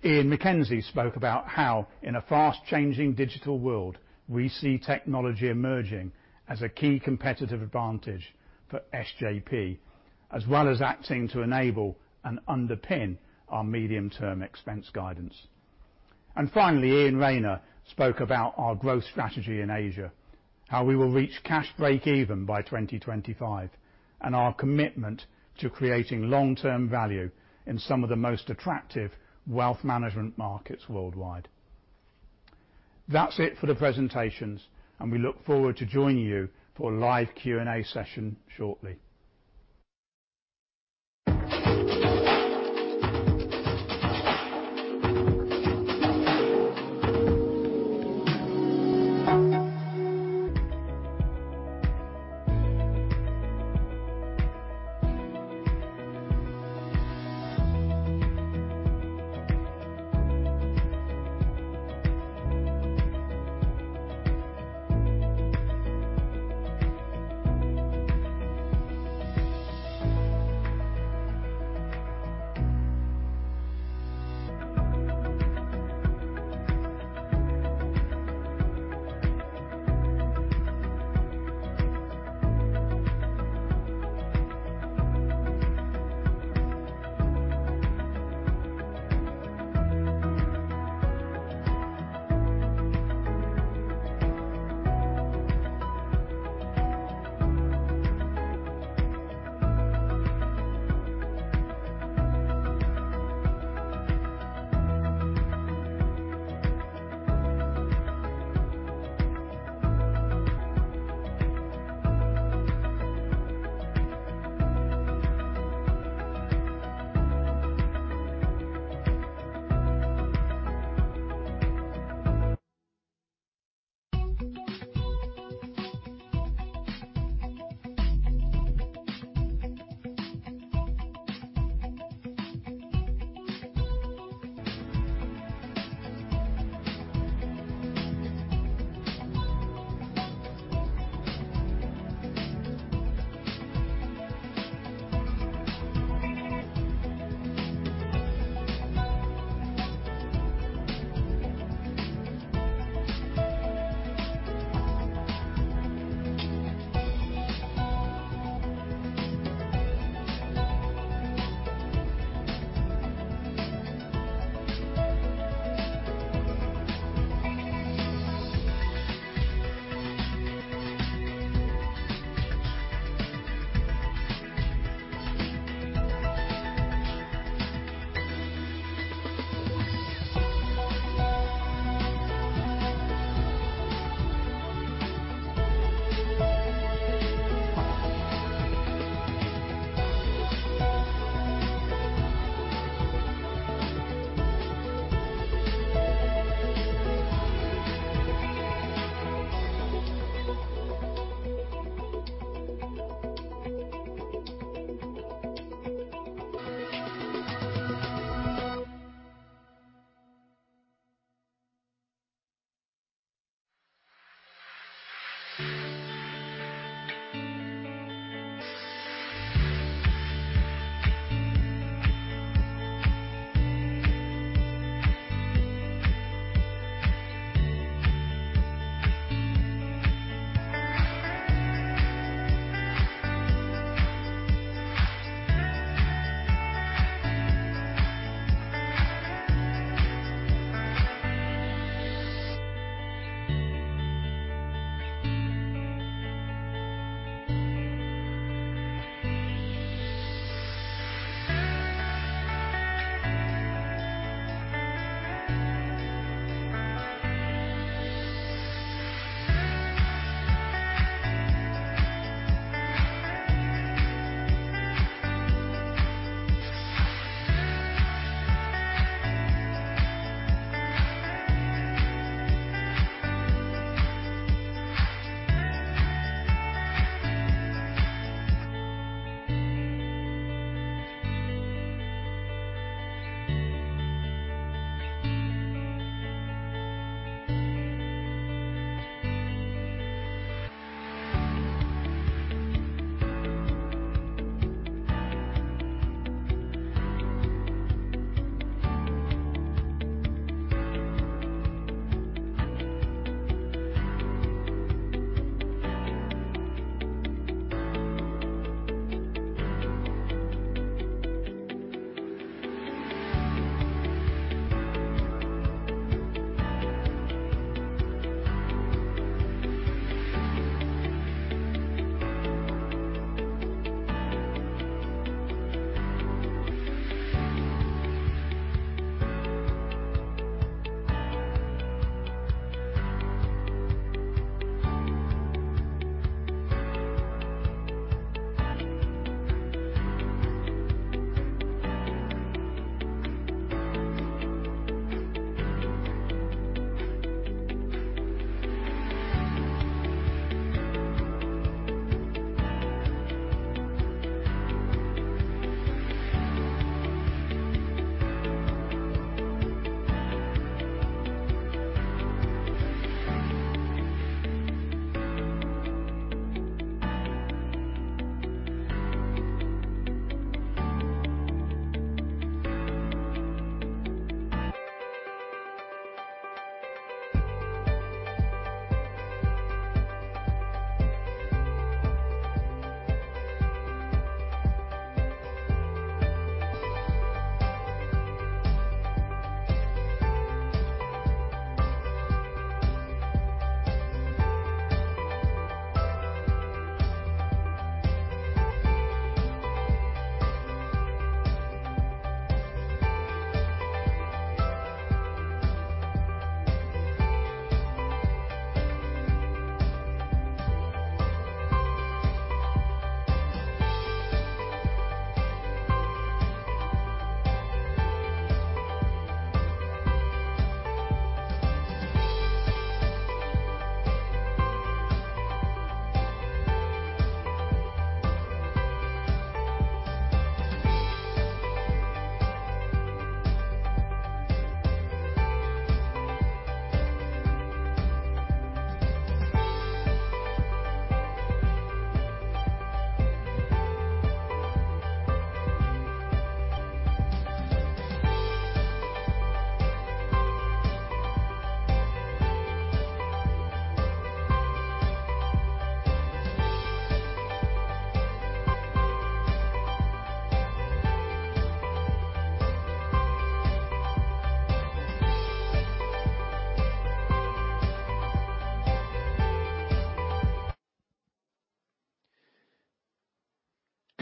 Ian MacKenzie spoke about how in a fast-changing digital world, we see technology emerging as a key competitive advantage for SJP, as well as acting to enable and underpin our medium-term expense guidance. Finally, Iain Rayner spoke about our growth strategy in Asia, how we will reach cash breakeven by 2025, and our commitment to creating long-term value in some of the most attractive wealth management markets worldwide. That's it for the presentations, and we look forward to joining you for a live Q&A session shortly.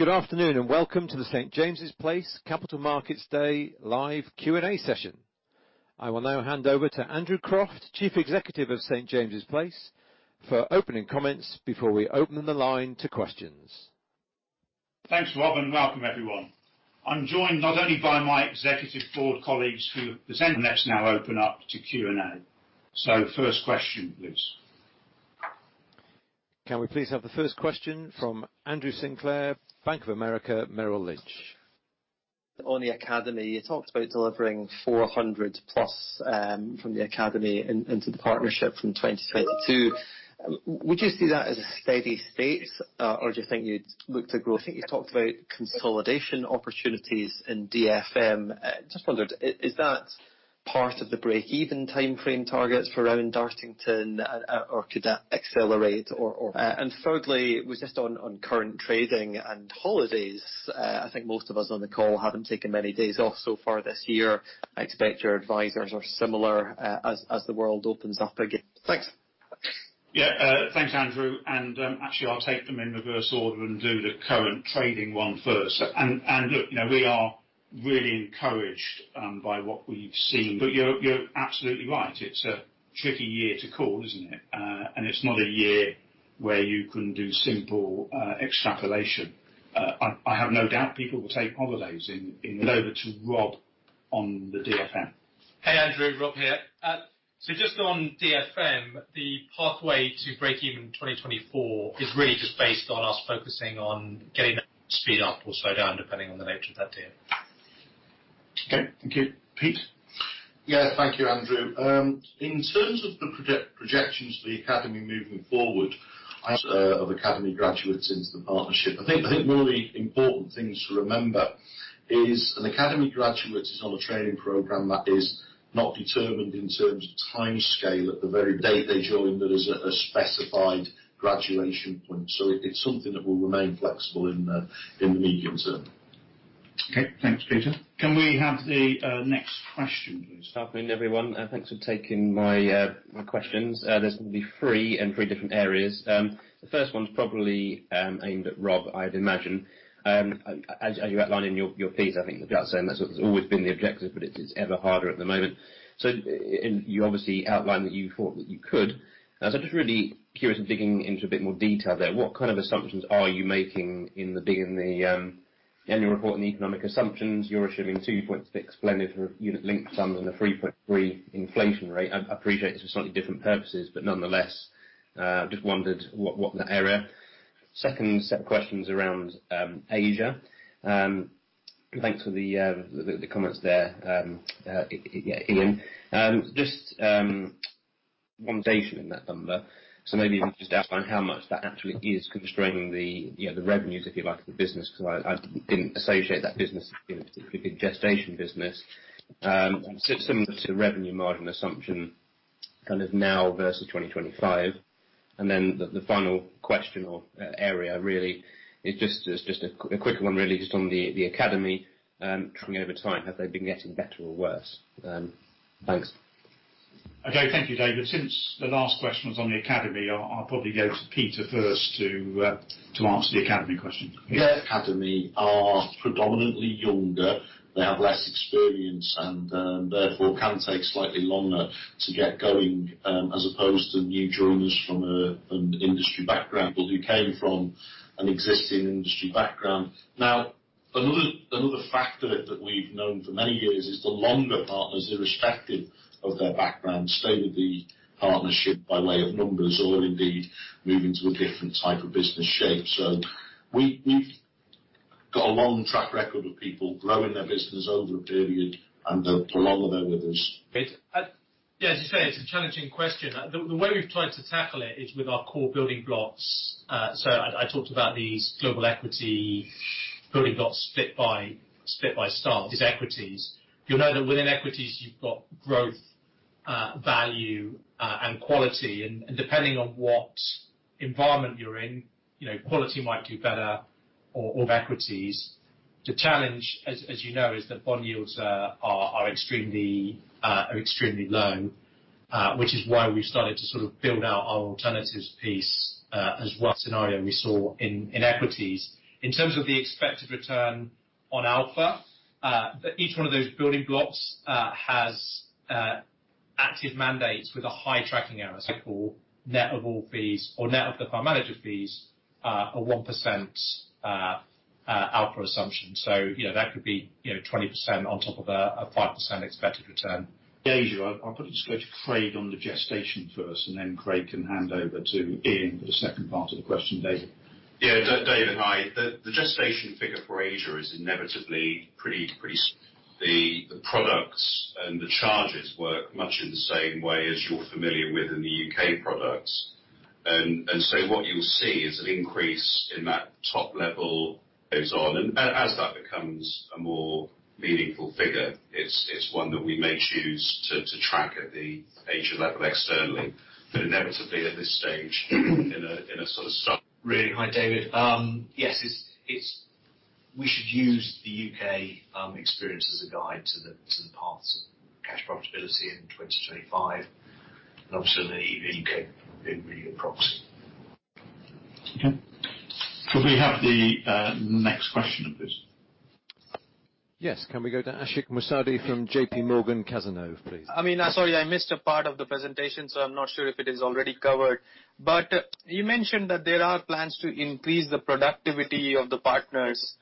Good afternoon, and welcome to the St. James's Place Capital Markets Day live Q&A session. I will now hand over to Andrew Croft, Chief Executive of St. James's Place, for opening comments before we open the line to questions. Thanks, Rob, and welcome everyone. I'm joined not only by my executive board colleagues. Let's now open up to Q&A. First question, please. Can we please have the first question from Andrew Sinclair, Bank of America Merrill Lynch? On the SJP Academy, you talked about delivering 400+ from the SJP Academy into the partnership from 2022. Would you see that as a steady state or do you think it looks like growth? I think you talked about consolidation opportunities in DFM. Just wondered, is that part of the break-even timeframe targets for Rowan Dartington, or could that accelerate? Thirdly, it was just on current trading and holidays. I think most of us on the call haven't taken many days off so far this year. I expect your advisers are similar as the world opens up again. Thanks. Yeah. Thanks, Andrew. Actually I'll take them in reverse order and do the current trading one first. Look, we are really encouraged by what we've seen. You're absolutely right, it's a tricky year to call, isn't it? It's not a year where you can do simple extrapolation. Over to Rob on the DFM. Hey, Andrew. Rob here. Just on DFM, the pathway to breaking in 2024 is really just based on us focusing on getting speed up or slow down, depending on the nature of that deal. Okay. Thank you. Pete? Thank you, Andrew. In terms of the projections for the Academy moving forward, of Academy graduates into the partnership. I think one of the important things to remember is an Academy graduate is on a training program that is not determined in terms of timescale. At the very day they join, there is a specified graduation point. It's something that will remain flexible in the medium term. Okay. Thanks, Peter. Can we have the next question, please? Good afternoon, everyone. Thanks for taking my questions. There's going to be three in three different areas. The first one is probably aimed at Rob, I'd imagine. As you outline in your piece, as you outlined, that's always been the objective, but it is ever harder at the moment. You obviously outlined that you thought that you could. Just really curious, digging into a bit more detail there. What kind of assumptions are you making in the annual report and economic assumptions? You're assuming 2.6 [lender for unit linked sum] and a 3.3 inflation rate. I appreciate it's for slightly different purposes, but nonetheless, just wondered what in the area. Second set of questions around Asia. Thanks for the comments there, Ian. Just [inaudible] in that number. Maybe just outline how much that actually is constraining the revenues, if you like, of the business because I didn't associate that business with the gestation business. Similar to the revenue margin assumption kind of now versus 2025. The final question or area really is just a quick one really just on the academy. Trying over time, have they been getting better or worse? Thanks. Okay. Thank you, David. Since the last question was on the Academy, I'll probably go to Peter first to answer the Academy question. Academy are predominantly younger. They have less experience and therefore can take slightly longer to get going, as opposed to new joiners from an industry background or who came from an existing industry background. Another factor that we've known for many years is the longer Partners, irrespective of their background, stay with the partnership by way of numbers or indeed move into a different type of business shape. We've got a long track record of people growing their business over a period and for longer with us. Yeah, as you say, it's a challenging question. The way we've tried to tackle it is with our core building blocks. I talked about these global equity building blocks bit by start, is equities. You'll know that within equities you've got growth, value, and quality. Depending on what environment you're in, quality might do better or equities. The challenge, as you know, is that bond yields are extremely low, which is why we started to sort of build out our alternatives piece as one scenario we saw in equities. In terms of the expected return on alpha, each one of those building blocks has active mandates with a high tracking error. For net of all fees or net of the fund manager fees, a 1% alpha assumption. That could be 20% on top of a 5% expected return. Asia, I'll just go to Craig on the gestation first, and then Craig can hand over to Ian for the second part of the question, Craig. Yeah. David, hi. The gestation figure for Asia is inevitably pretty increased. The products and the charges work much in the same way as you're familiar with in the U.K. products. What you'll see is an increase in that top level goes on. As that becomes a more meaningful figure, it's one that we may choose to track at the Asia level externally. Really. Hi, David. Yes, it's. We should use the U.K. experience as a guide to the paths of cash profitability in 2025 and obviously the U.K. being the proxy. Okay. Could we have the next question, please? Yes. Can we go to Ashik Musaddi from JPMorgan Cazenove, please? I'm sorry, I missed a part of the presentation, so I'm not sure if it is already covered. You mentioned that there are plans to increase the productivity of the partners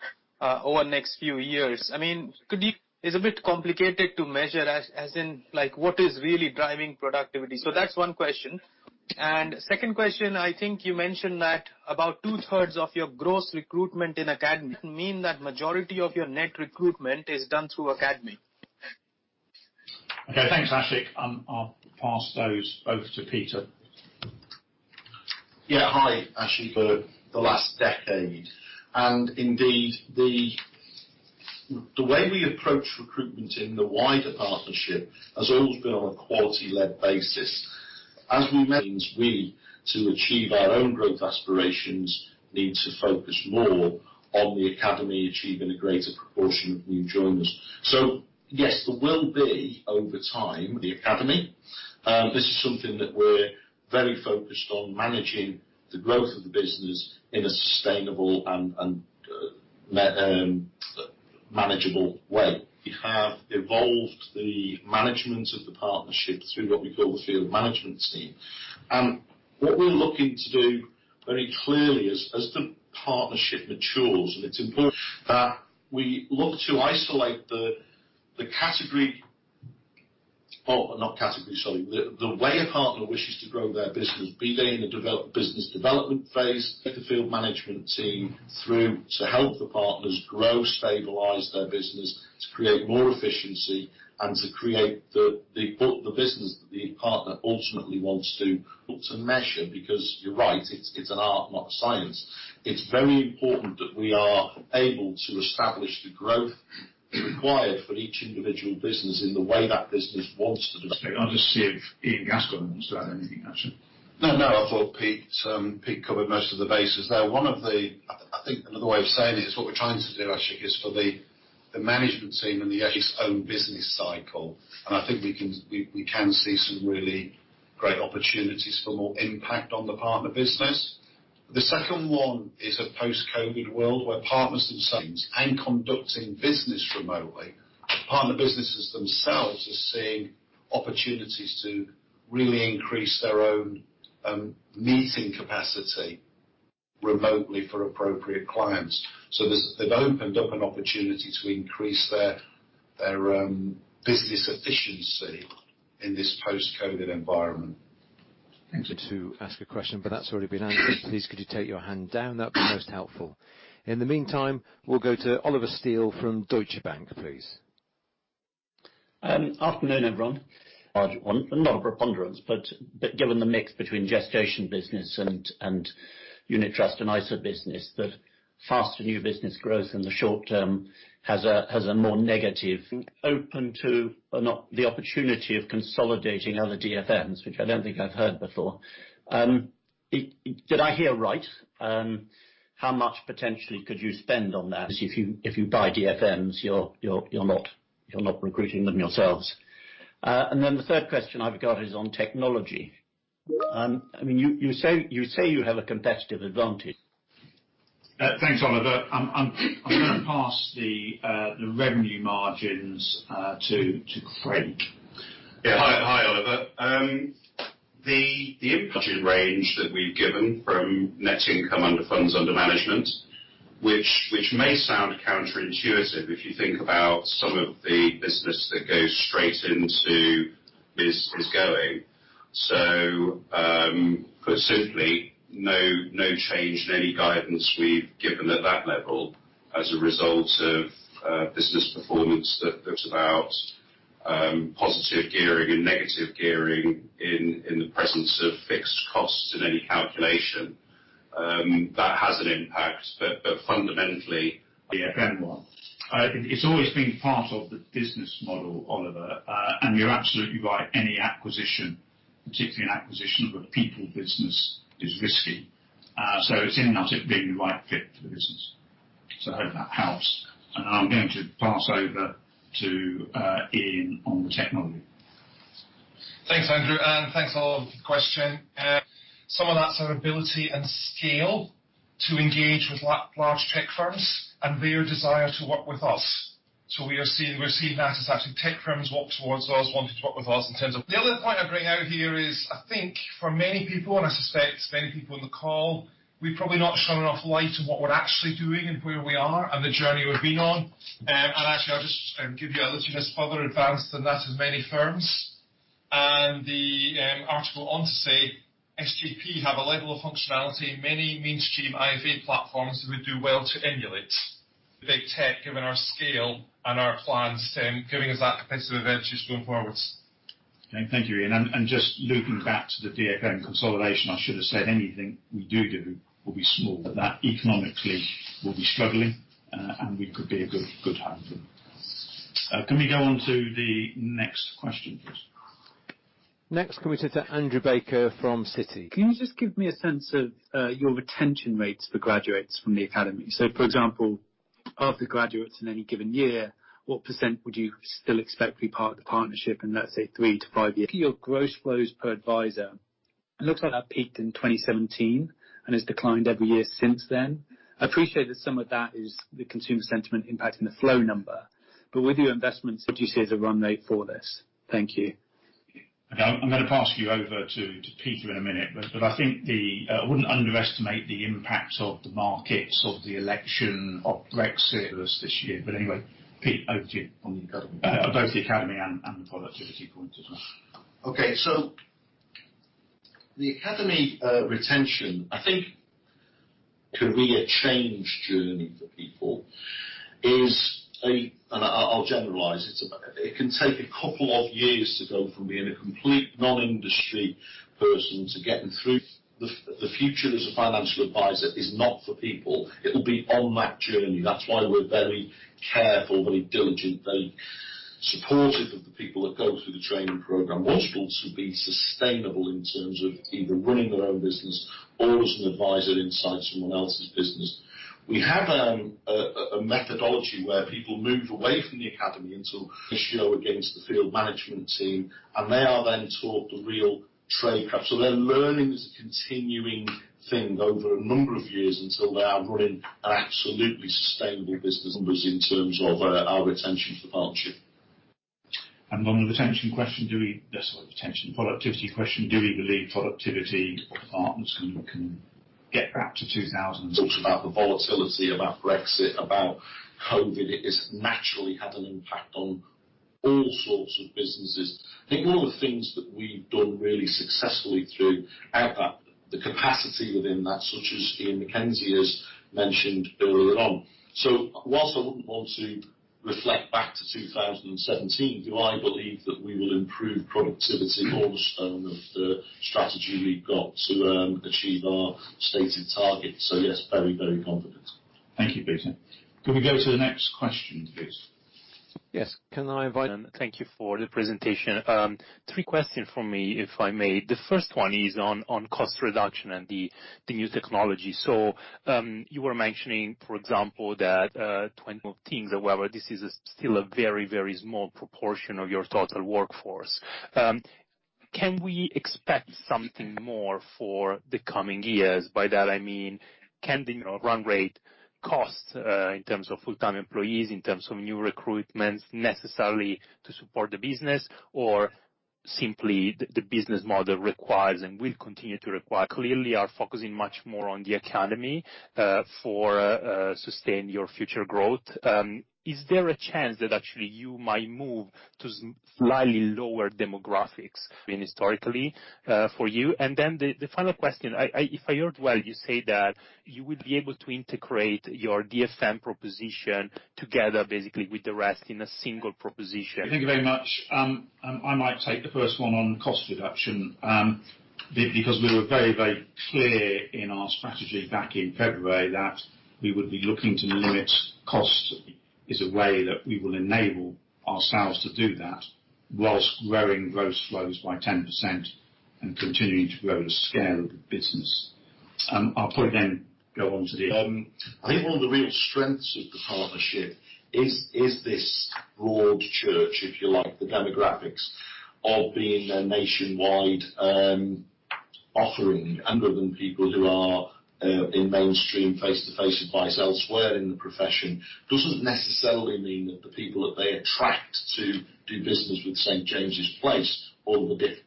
over the next few years. It's a bit complicated to measure, as in what is really driving productivity? That's one question. Second question, I think you mentioned that about two-thirds of your gross recruitment in Academy mean that majority of your net recruitment is done through Academy. Okay, thanks, Ashik. I'll pass those over to Peter. Yeah. Hi, Ashik. For the last decade, and indeed, the way we approach recruitment in the wider partnership has always been on a quality-led basis. As we mentioned, we, to achieve our own growth aspirations, need to focus more on the SJP Academy achieving a greater proportion of new joiners. Yes, there will be over time, the SJP Academy. This is something that we're very focused on managing the growth of the business in a sustainable and manageable way. We have evolved the management of the partnership through what we call the field management team. What we're looking to do very clearly is, as the partnership matures, and it's important that we look to isolate the category oh, not category, sorry. The way a partner wishes to grow their business, be they in the business development phase, the field management team through to help the partners grow, stabilize their business, to create more efficiency and to create the business that the partner ultimately wants to. Look to measure because you are right, it is an art, not a science. It is very important that we are able to establish the growth required for each individual business in the way that business wants to be. I'll just see if Ian Gascoigne has anything to say on anything. No, I thought Pete covered most of the bases there. I think another way of saying it is what we're trying to do, Ashik, is for the management team and the each own business cycle, and I think we can see some really great opportunities for more impact on the partner business. The second one is a post-COVID world where partners themselves and conducting business remotely. Partner businesses themselves are seeing opportunities to really increase their own meeting capacity remotely for appropriate clients. They've opened up an opportunity to increase their business efficiency in this post-COVID environment. To ask a question, but that's already been answered. Please, could you take your hand down? That'd be most helpful. In the meantime, we'll go to Oliver Steel from Deutsche Bank, please. Afternoon, everyone. Large one, not preponderance, but given the mix between gestation business and unit trust and ISA business, that faster new business growth in the short term has a more negative- Open to the opportunity of consolidating other DFMs, which I don't think I've heard before. Did I hear right? How much potentially could you spend on that? If you buy DFMs, you're not recruiting them yourselves. The third question I've got is on technology. You say you have a competitive advantage. Thanks, Oliver. I'm going to pass the revenue margins to Craig. Yeah. Hi, Oliver. The input in range that we've given from net income under funds under management, which may sound counterintuitive if you think about some of the business that goes straight into is going. Put simply, no change in any guidance we've given at that level as a result of business performance that looks about positive gearing and negative gearing in the presence of fixed costs in any calculation. That has an impact. DFM one. It's always been part of the business model, Oliver. You're absolutely right, any acquisition, particularly an acquisition of a people business, is risky. It's about being the right fit for the business. I hope that helps. I'm going to pass over to Ian on the technology. Thanks, Andrew, and thanks, Oliver, for the question. Some of that's our ability and scale to engage with large tech firms and their desire to work with us. We're seeing now tech firms walk towards us wanting to work with us. The other point I'd bring out here is, I think for many people, and I suspect many people on the call, we've probably not shone enough light on what we're actually doing and where we are and the journey we've been on. Ashik, I'll just give you a little bit further advance than that of many firms. The article on to say, SJP have a level of functionality many mainstream ISA platforms would do well to emulate. The big tech given our scale and our plans giving us that competitive advantage going forwards. Thank you, Ian. Just looping back to the DFM consolidation, I should have said anything we do will be small. That economically we'll be struggling, and we could be a good home for them. Can we go on to the next question, please? Next, can we go to Andrew Baker from Citi. Can you just give me a sense of your retention rates for graduates from the SJP Academy? For example, of the graduates in any given year, what percent would you still expect to be part of the partnership in, let's say, three to five years? Your gross flows per advisor looked like that peaked in 2017 and has declined every year since then. I appreciate that some of that is the consumer sentiment impacting the flow number, but with your investments, what do you see as a run rate for this? Thank you. I'm going to pass you over to Peter in a minute. I think I wouldn't underestimate the impact of the markets, of the election, of Brexit this year. Anyway, Pete over to you. On both the academy and the productivity point of view. Okay. The academy retention, I think can be a change journey for people, and I'll generalize it. It can take a couple of years to go from being a complete non-industry person to getting through. The future as a financial advisor is not for people. It'll be on that journey. That's why we're very careful, very diligent, very supportive of the people that go through the training program. Wanting people to be sustainable in terms of either running their own business or as an advisor inside someone else's business. We have a methodology where people move away from the Academy into- ratio against the field management team, and they are then taught the real tradecraft. They're learning as a continuing thing over a number of years until they are running an absolutely sustainable business. Numbers in terms of our retention for partnership. On the productivity question, do we believe productivity of partners can get back to 2017? Talked about the volatility, about Brexit, about COVID. It has naturally had an impact on all sorts of businesses. I think one of the things that we've done really successfully through, the capacity within that, such as Ian MacKenzie has mentioned earlier on. Whilst I wouldn't want to reflect back to 2017, do I believe that we will improve productivity? Cornerstone of the strategy we've got to achieve our stated target. Yes, very, very confident. Thank you, Peter. Can we go to the next question, please? Yes. Thank you for the presentation. Three questions from me, if I may. The first one is on cost reduction and the new technology. You were mentioning, for example, that 20 more teams or whatever, this is still a very, very small proportion of your total workforce. Can we expect something more for the coming years? By that I mean, can the run rate cost, in terms of full-time employees, in terms of new recruitment necessary to support the business, or simply the business model requires and will continue to require? You clearly are focusing much more on the Academy for sustain your future growth. Is there a chance that actually you might move to slightly lower demographics historically for you? The final question, if I heard well, you say that you would be able to integrate your DFM proposition together basically with the rest in a single proposition. Thank you very much. I might take the first one on cost reduction. We were very, very clear in our strategy back in February that we would be looking to limit costs is a way that we will enable ourselves to do that whilst growing gross flows by 10% and continuing to grow the scale of the business. I'll point then go on to- I think one of the real strengths of the partnership is this broad church, if you like, the demographics of being a nationwide offering and within people who are in mainstream face-to-face advice elsewhere in the profession doesn't necessarily mean that the people that they attract to do business with St. James's Place or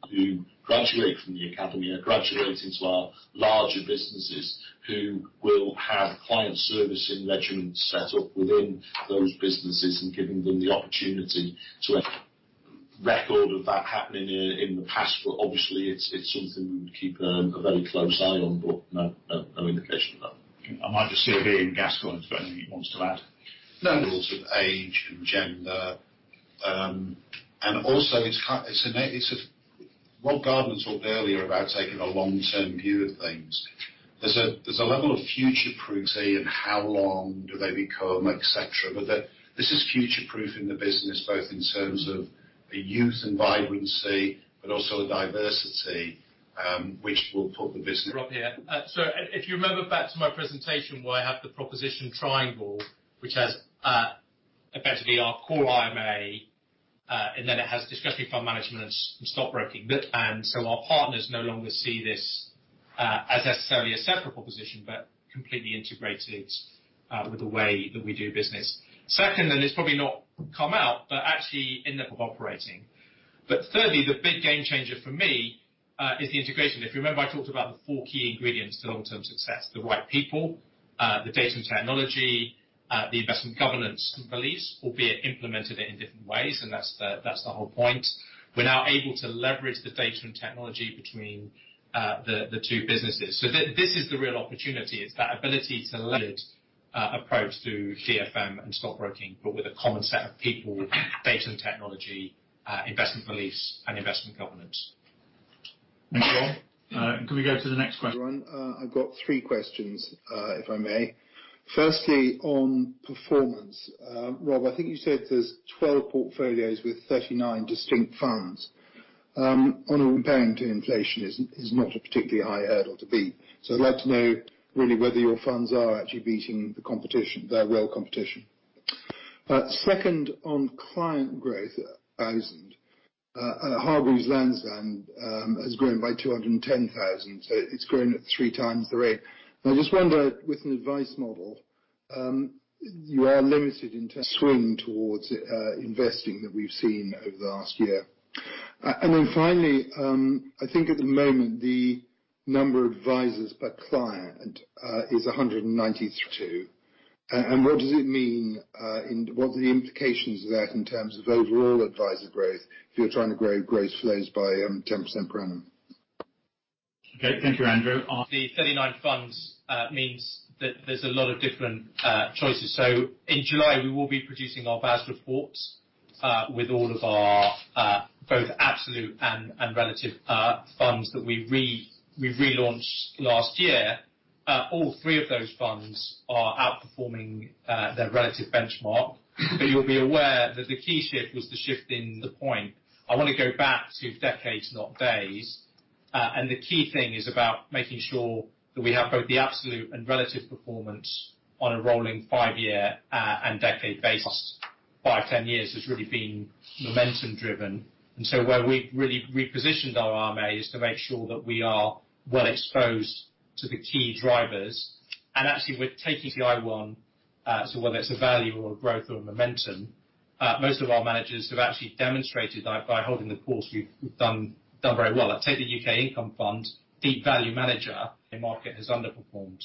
who graduate from the academy are graduating to our larger businesses who will have client service and measurement set up within those businesses and giving them the opportunity to record of that happening in the past. Obviously it's something we would keep a very close eye on, but no indication of that. I might just see Ian Gascoigne if there's anything he wants to add. Rules of age and gender. What Gardner talked earlier about taking a long-term view of things. There's a level of future-proofing and how long do they become, et cetera. This is future-proofing the business both in terms of the youth and vibrancy, but also the diversity, which will put the business- Rob here. If you remember back to my presentation where I have the proposition triangle, which has basically our core IMA, and then it has discretionary fund management and stockbroking. Our partners no longer see this as necessarily a separate proposition, but completely integrated with the way that we do business. Second, and it's probably not come out, but actually in network operating. Thirdly, the big game changer for me is the integration. If you remember, I talked about the four key ingredients to long-term success, the right people, the data and technology, the investment governance beliefs, albeit implemented in different ways. That's the whole point. We're now able to leverage the data and technology between the two businesses. This is the real opportunity. It's that ability to lead approach through DFM and stockbroking, but with a common set of people, data and technology, investment beliefs, and investment governance Nicole, can we go to the next question? I've got three questions, if I may. Firstly, on performance. Rob, I think you said there's 12 portfolios with 39 distinct funds. On comparing to inflation is not a particularly high hurdle to beat. I'd like to know really whether your funds are actually beating the competition, their world competition. Second, on client growth, Hargreaves Lansdown has grown by 210,000. It's grown at three times the rate. I just wonder, with an advice model, you are limited in terms swinging towards investing that we've seen over the last year. Finally, I think at the moment, the number of advisors per client is 192. What does it mean? What are the implications of that in terms of overall advisor growth, if you're trying to grow gross flows by 10% per annum? Okay. Thank you, Andrew. The 39 funds means that there's a lot of different choices. In July, we will be producing our VAS reports with all of our both absolute and relative funds that we relaunched last year. All three of those funds are outperforming their relative benchmark. You'll be aware that the key shift was the shift in the point. I want to go back to decades, not days. The key thing is about making sure that we have both the absolute and relative performance on a rolling five year and decade basis. Five, 10 years has really been momentum driven. Where we've really repositioned our IMAs to make sure that we are well exposed to the key drivers. Actually, we take U.K. equity one, whether it's a value or a growth or momentum, most of our managers have actually demonstrated by holding the course, we've done very well. I take the UK income fund, beat value manager, the market has underperformed.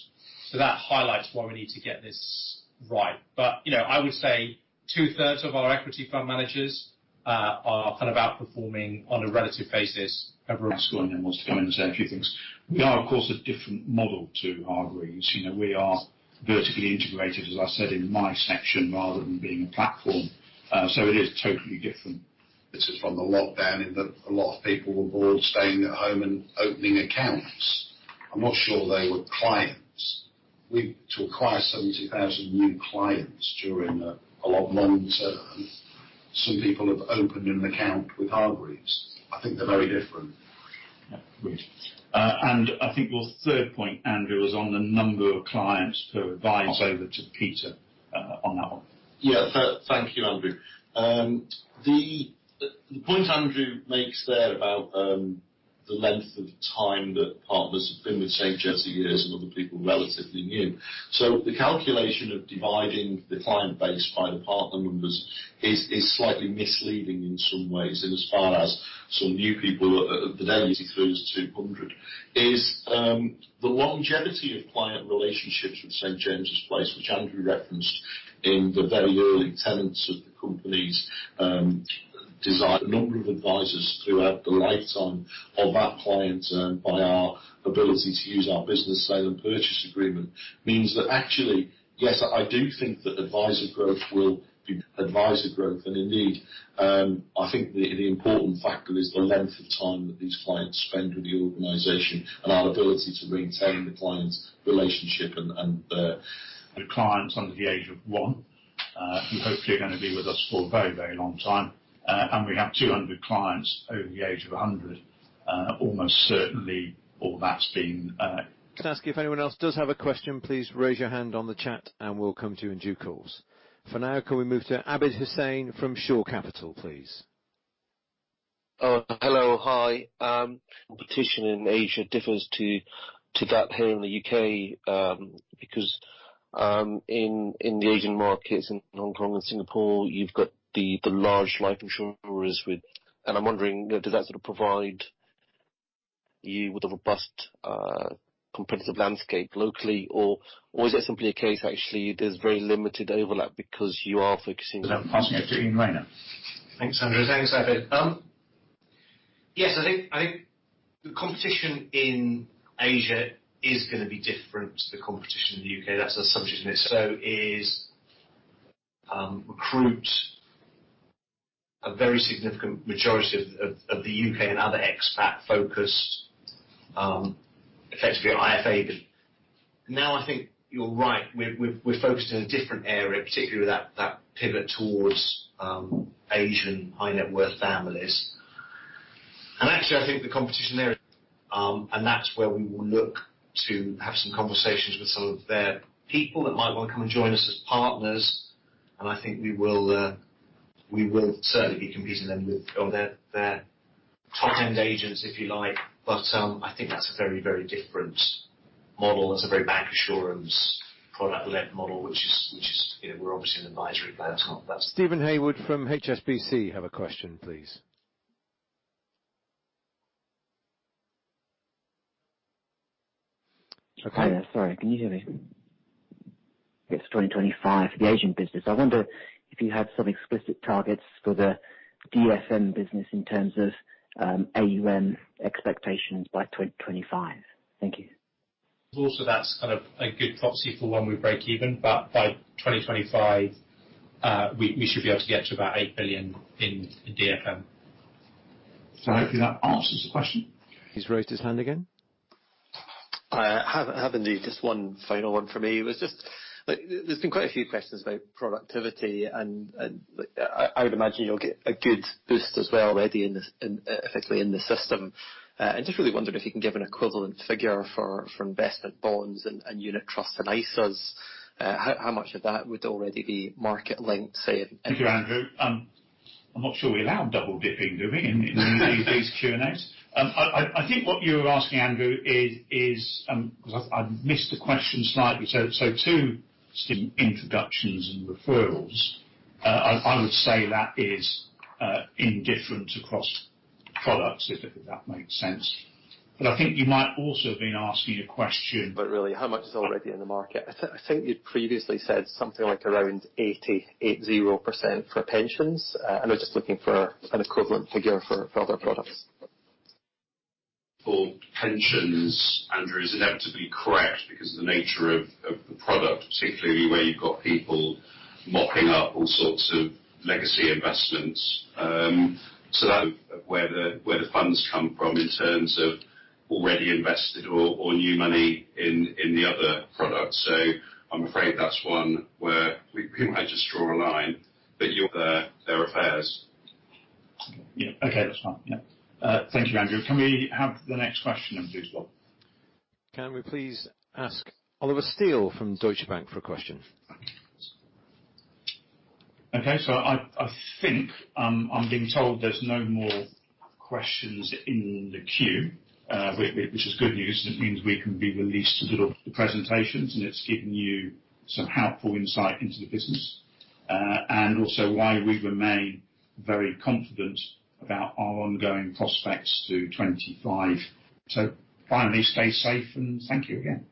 That highlights why we need to get this right. I would say two-thirds of our equity fund managers are outperforming on a relative basis. Everyone's going in one point and say a few things. We are of course, a different model to Hargreaves. We are vertically integrated, as I said, in my section, rather than being a platform. It is totally different. This is from the lockdown, in that a lot of people were bored staying at home and opening accounts. I'm not sure they were clients. We took prior 70,000 new clients during a lot longer term. Some people have opened an account with Hargreaves. I think they're very different. I think your third point, Andrew, was on the number of clients per advisor to Peter on that one. Yeah. Thank you, Andrew. The point Andrew makes there about the length of time that partners have been with St. James's, years and other people relatively new. The calculation of dividing the client base by the partner numbers is slightly misleading in some ways, and as far as some new people at the moment is close to 200, is the longevity of client relationships with St. James's Place, which Andrew referenced in the very early tenets of the company's design. A number of advisors who have the lifetime of that client by our ability to use our business sale and purchase agreement means that actually, yes, I do think that advisor growth will be advisor growth. Indeed, I think the important factor is the length of time that these clients spend with the organization and our ability to maintain the client's relationship. The clients under the age of one, who hopefully are going to be with us for a very long time. We have 200 clients over the age of 100. Can I ask if anyone else does have a question, please raise your hand on the chat and we'll come to you in due course. For now, can we move to Abid Hussain from Shore Capital, please. Hello. Hi. Competition in Asia differs to that here in the U.K., because in the Asian markets in Hong Kong and Singapore, you've got the large life insurers. I'm wondering, does that sort of provide you with a robust competitive landscape locally? Is that simply a case, actually, there's very limited overlap because you are focusing on- I'm passing you to Iain Rayner. I think the competition in Asia is going to be different to the competition in the U.K. That's the subject matter. Is recruit a very significant majority of the U.K. and other expat focus, effectively IFA. Now I think you're right. We're focused on a different area, particularly that pivot towards Asian high net worth families. Actually, I think the competition there, and that's where we will look to have some conversations with some of their people that might want to come and join us as partners. I think we will certainly be competing then with their front-end agents, if you like. I think that's a very different model and it's a very bancassurance product-led model, which is we're obviously an advisory-led company. Steven Haywood from HSBC have a question, please. Sorry, can you hear me? It's 2025 for the Asian business. I wonder if you have some explicit targets for the DFM business in terms of AUM expectations by 2025. Thank you That's kind of a good proxy for when we break even, but by 2025, we should be able to get to about 8 billion in DFM. Hopefully that answers the question. He's raised his hand again. I have indeed. Just one final one from me. There's been quite a few questions about productivity. I would imagine you'll get a good boost as well already effectively in the system. I just really wonder if you can give an equivalent figure for investment bonds and unit trusts and ISA. How much of that would already be market linked, say? Thank you, Andrew. I'm not sure we allow double-dipping, do we, in these Q&As? I think what you're asking, Andrew, is because I've missed the question slightly. Two introductions and referrals. I would say that is indifferent across products, if that makes sense. I think you might also have been asking a question. Really how much is already in the market. I think you previously said something like around 80% for pensions. I'm just looking for an equivalent figure for other products. For pensions, Andrew, is inevitably correct because the nature of the product, particularly where you've got people mopping up all sorts of legacy investments. That's where the funds come from in terms of already invested or new money in the other products. I'm afraid that's one where we might just draw a line. Yeah. Okay, that's fine. Thank you, Andrew. Can we have the next question, please, Bob? Can we please ask Oliver Steel from Deutsche Bank for a question? Okay. I think I'm being told there's no more questions in the queue, which is good news because it means we can be released to do the presentations and it's given you some helpful insight into the business, and also why we remain very confident about our ongoing prospects through 2025. Finally, stay safe and thank you again.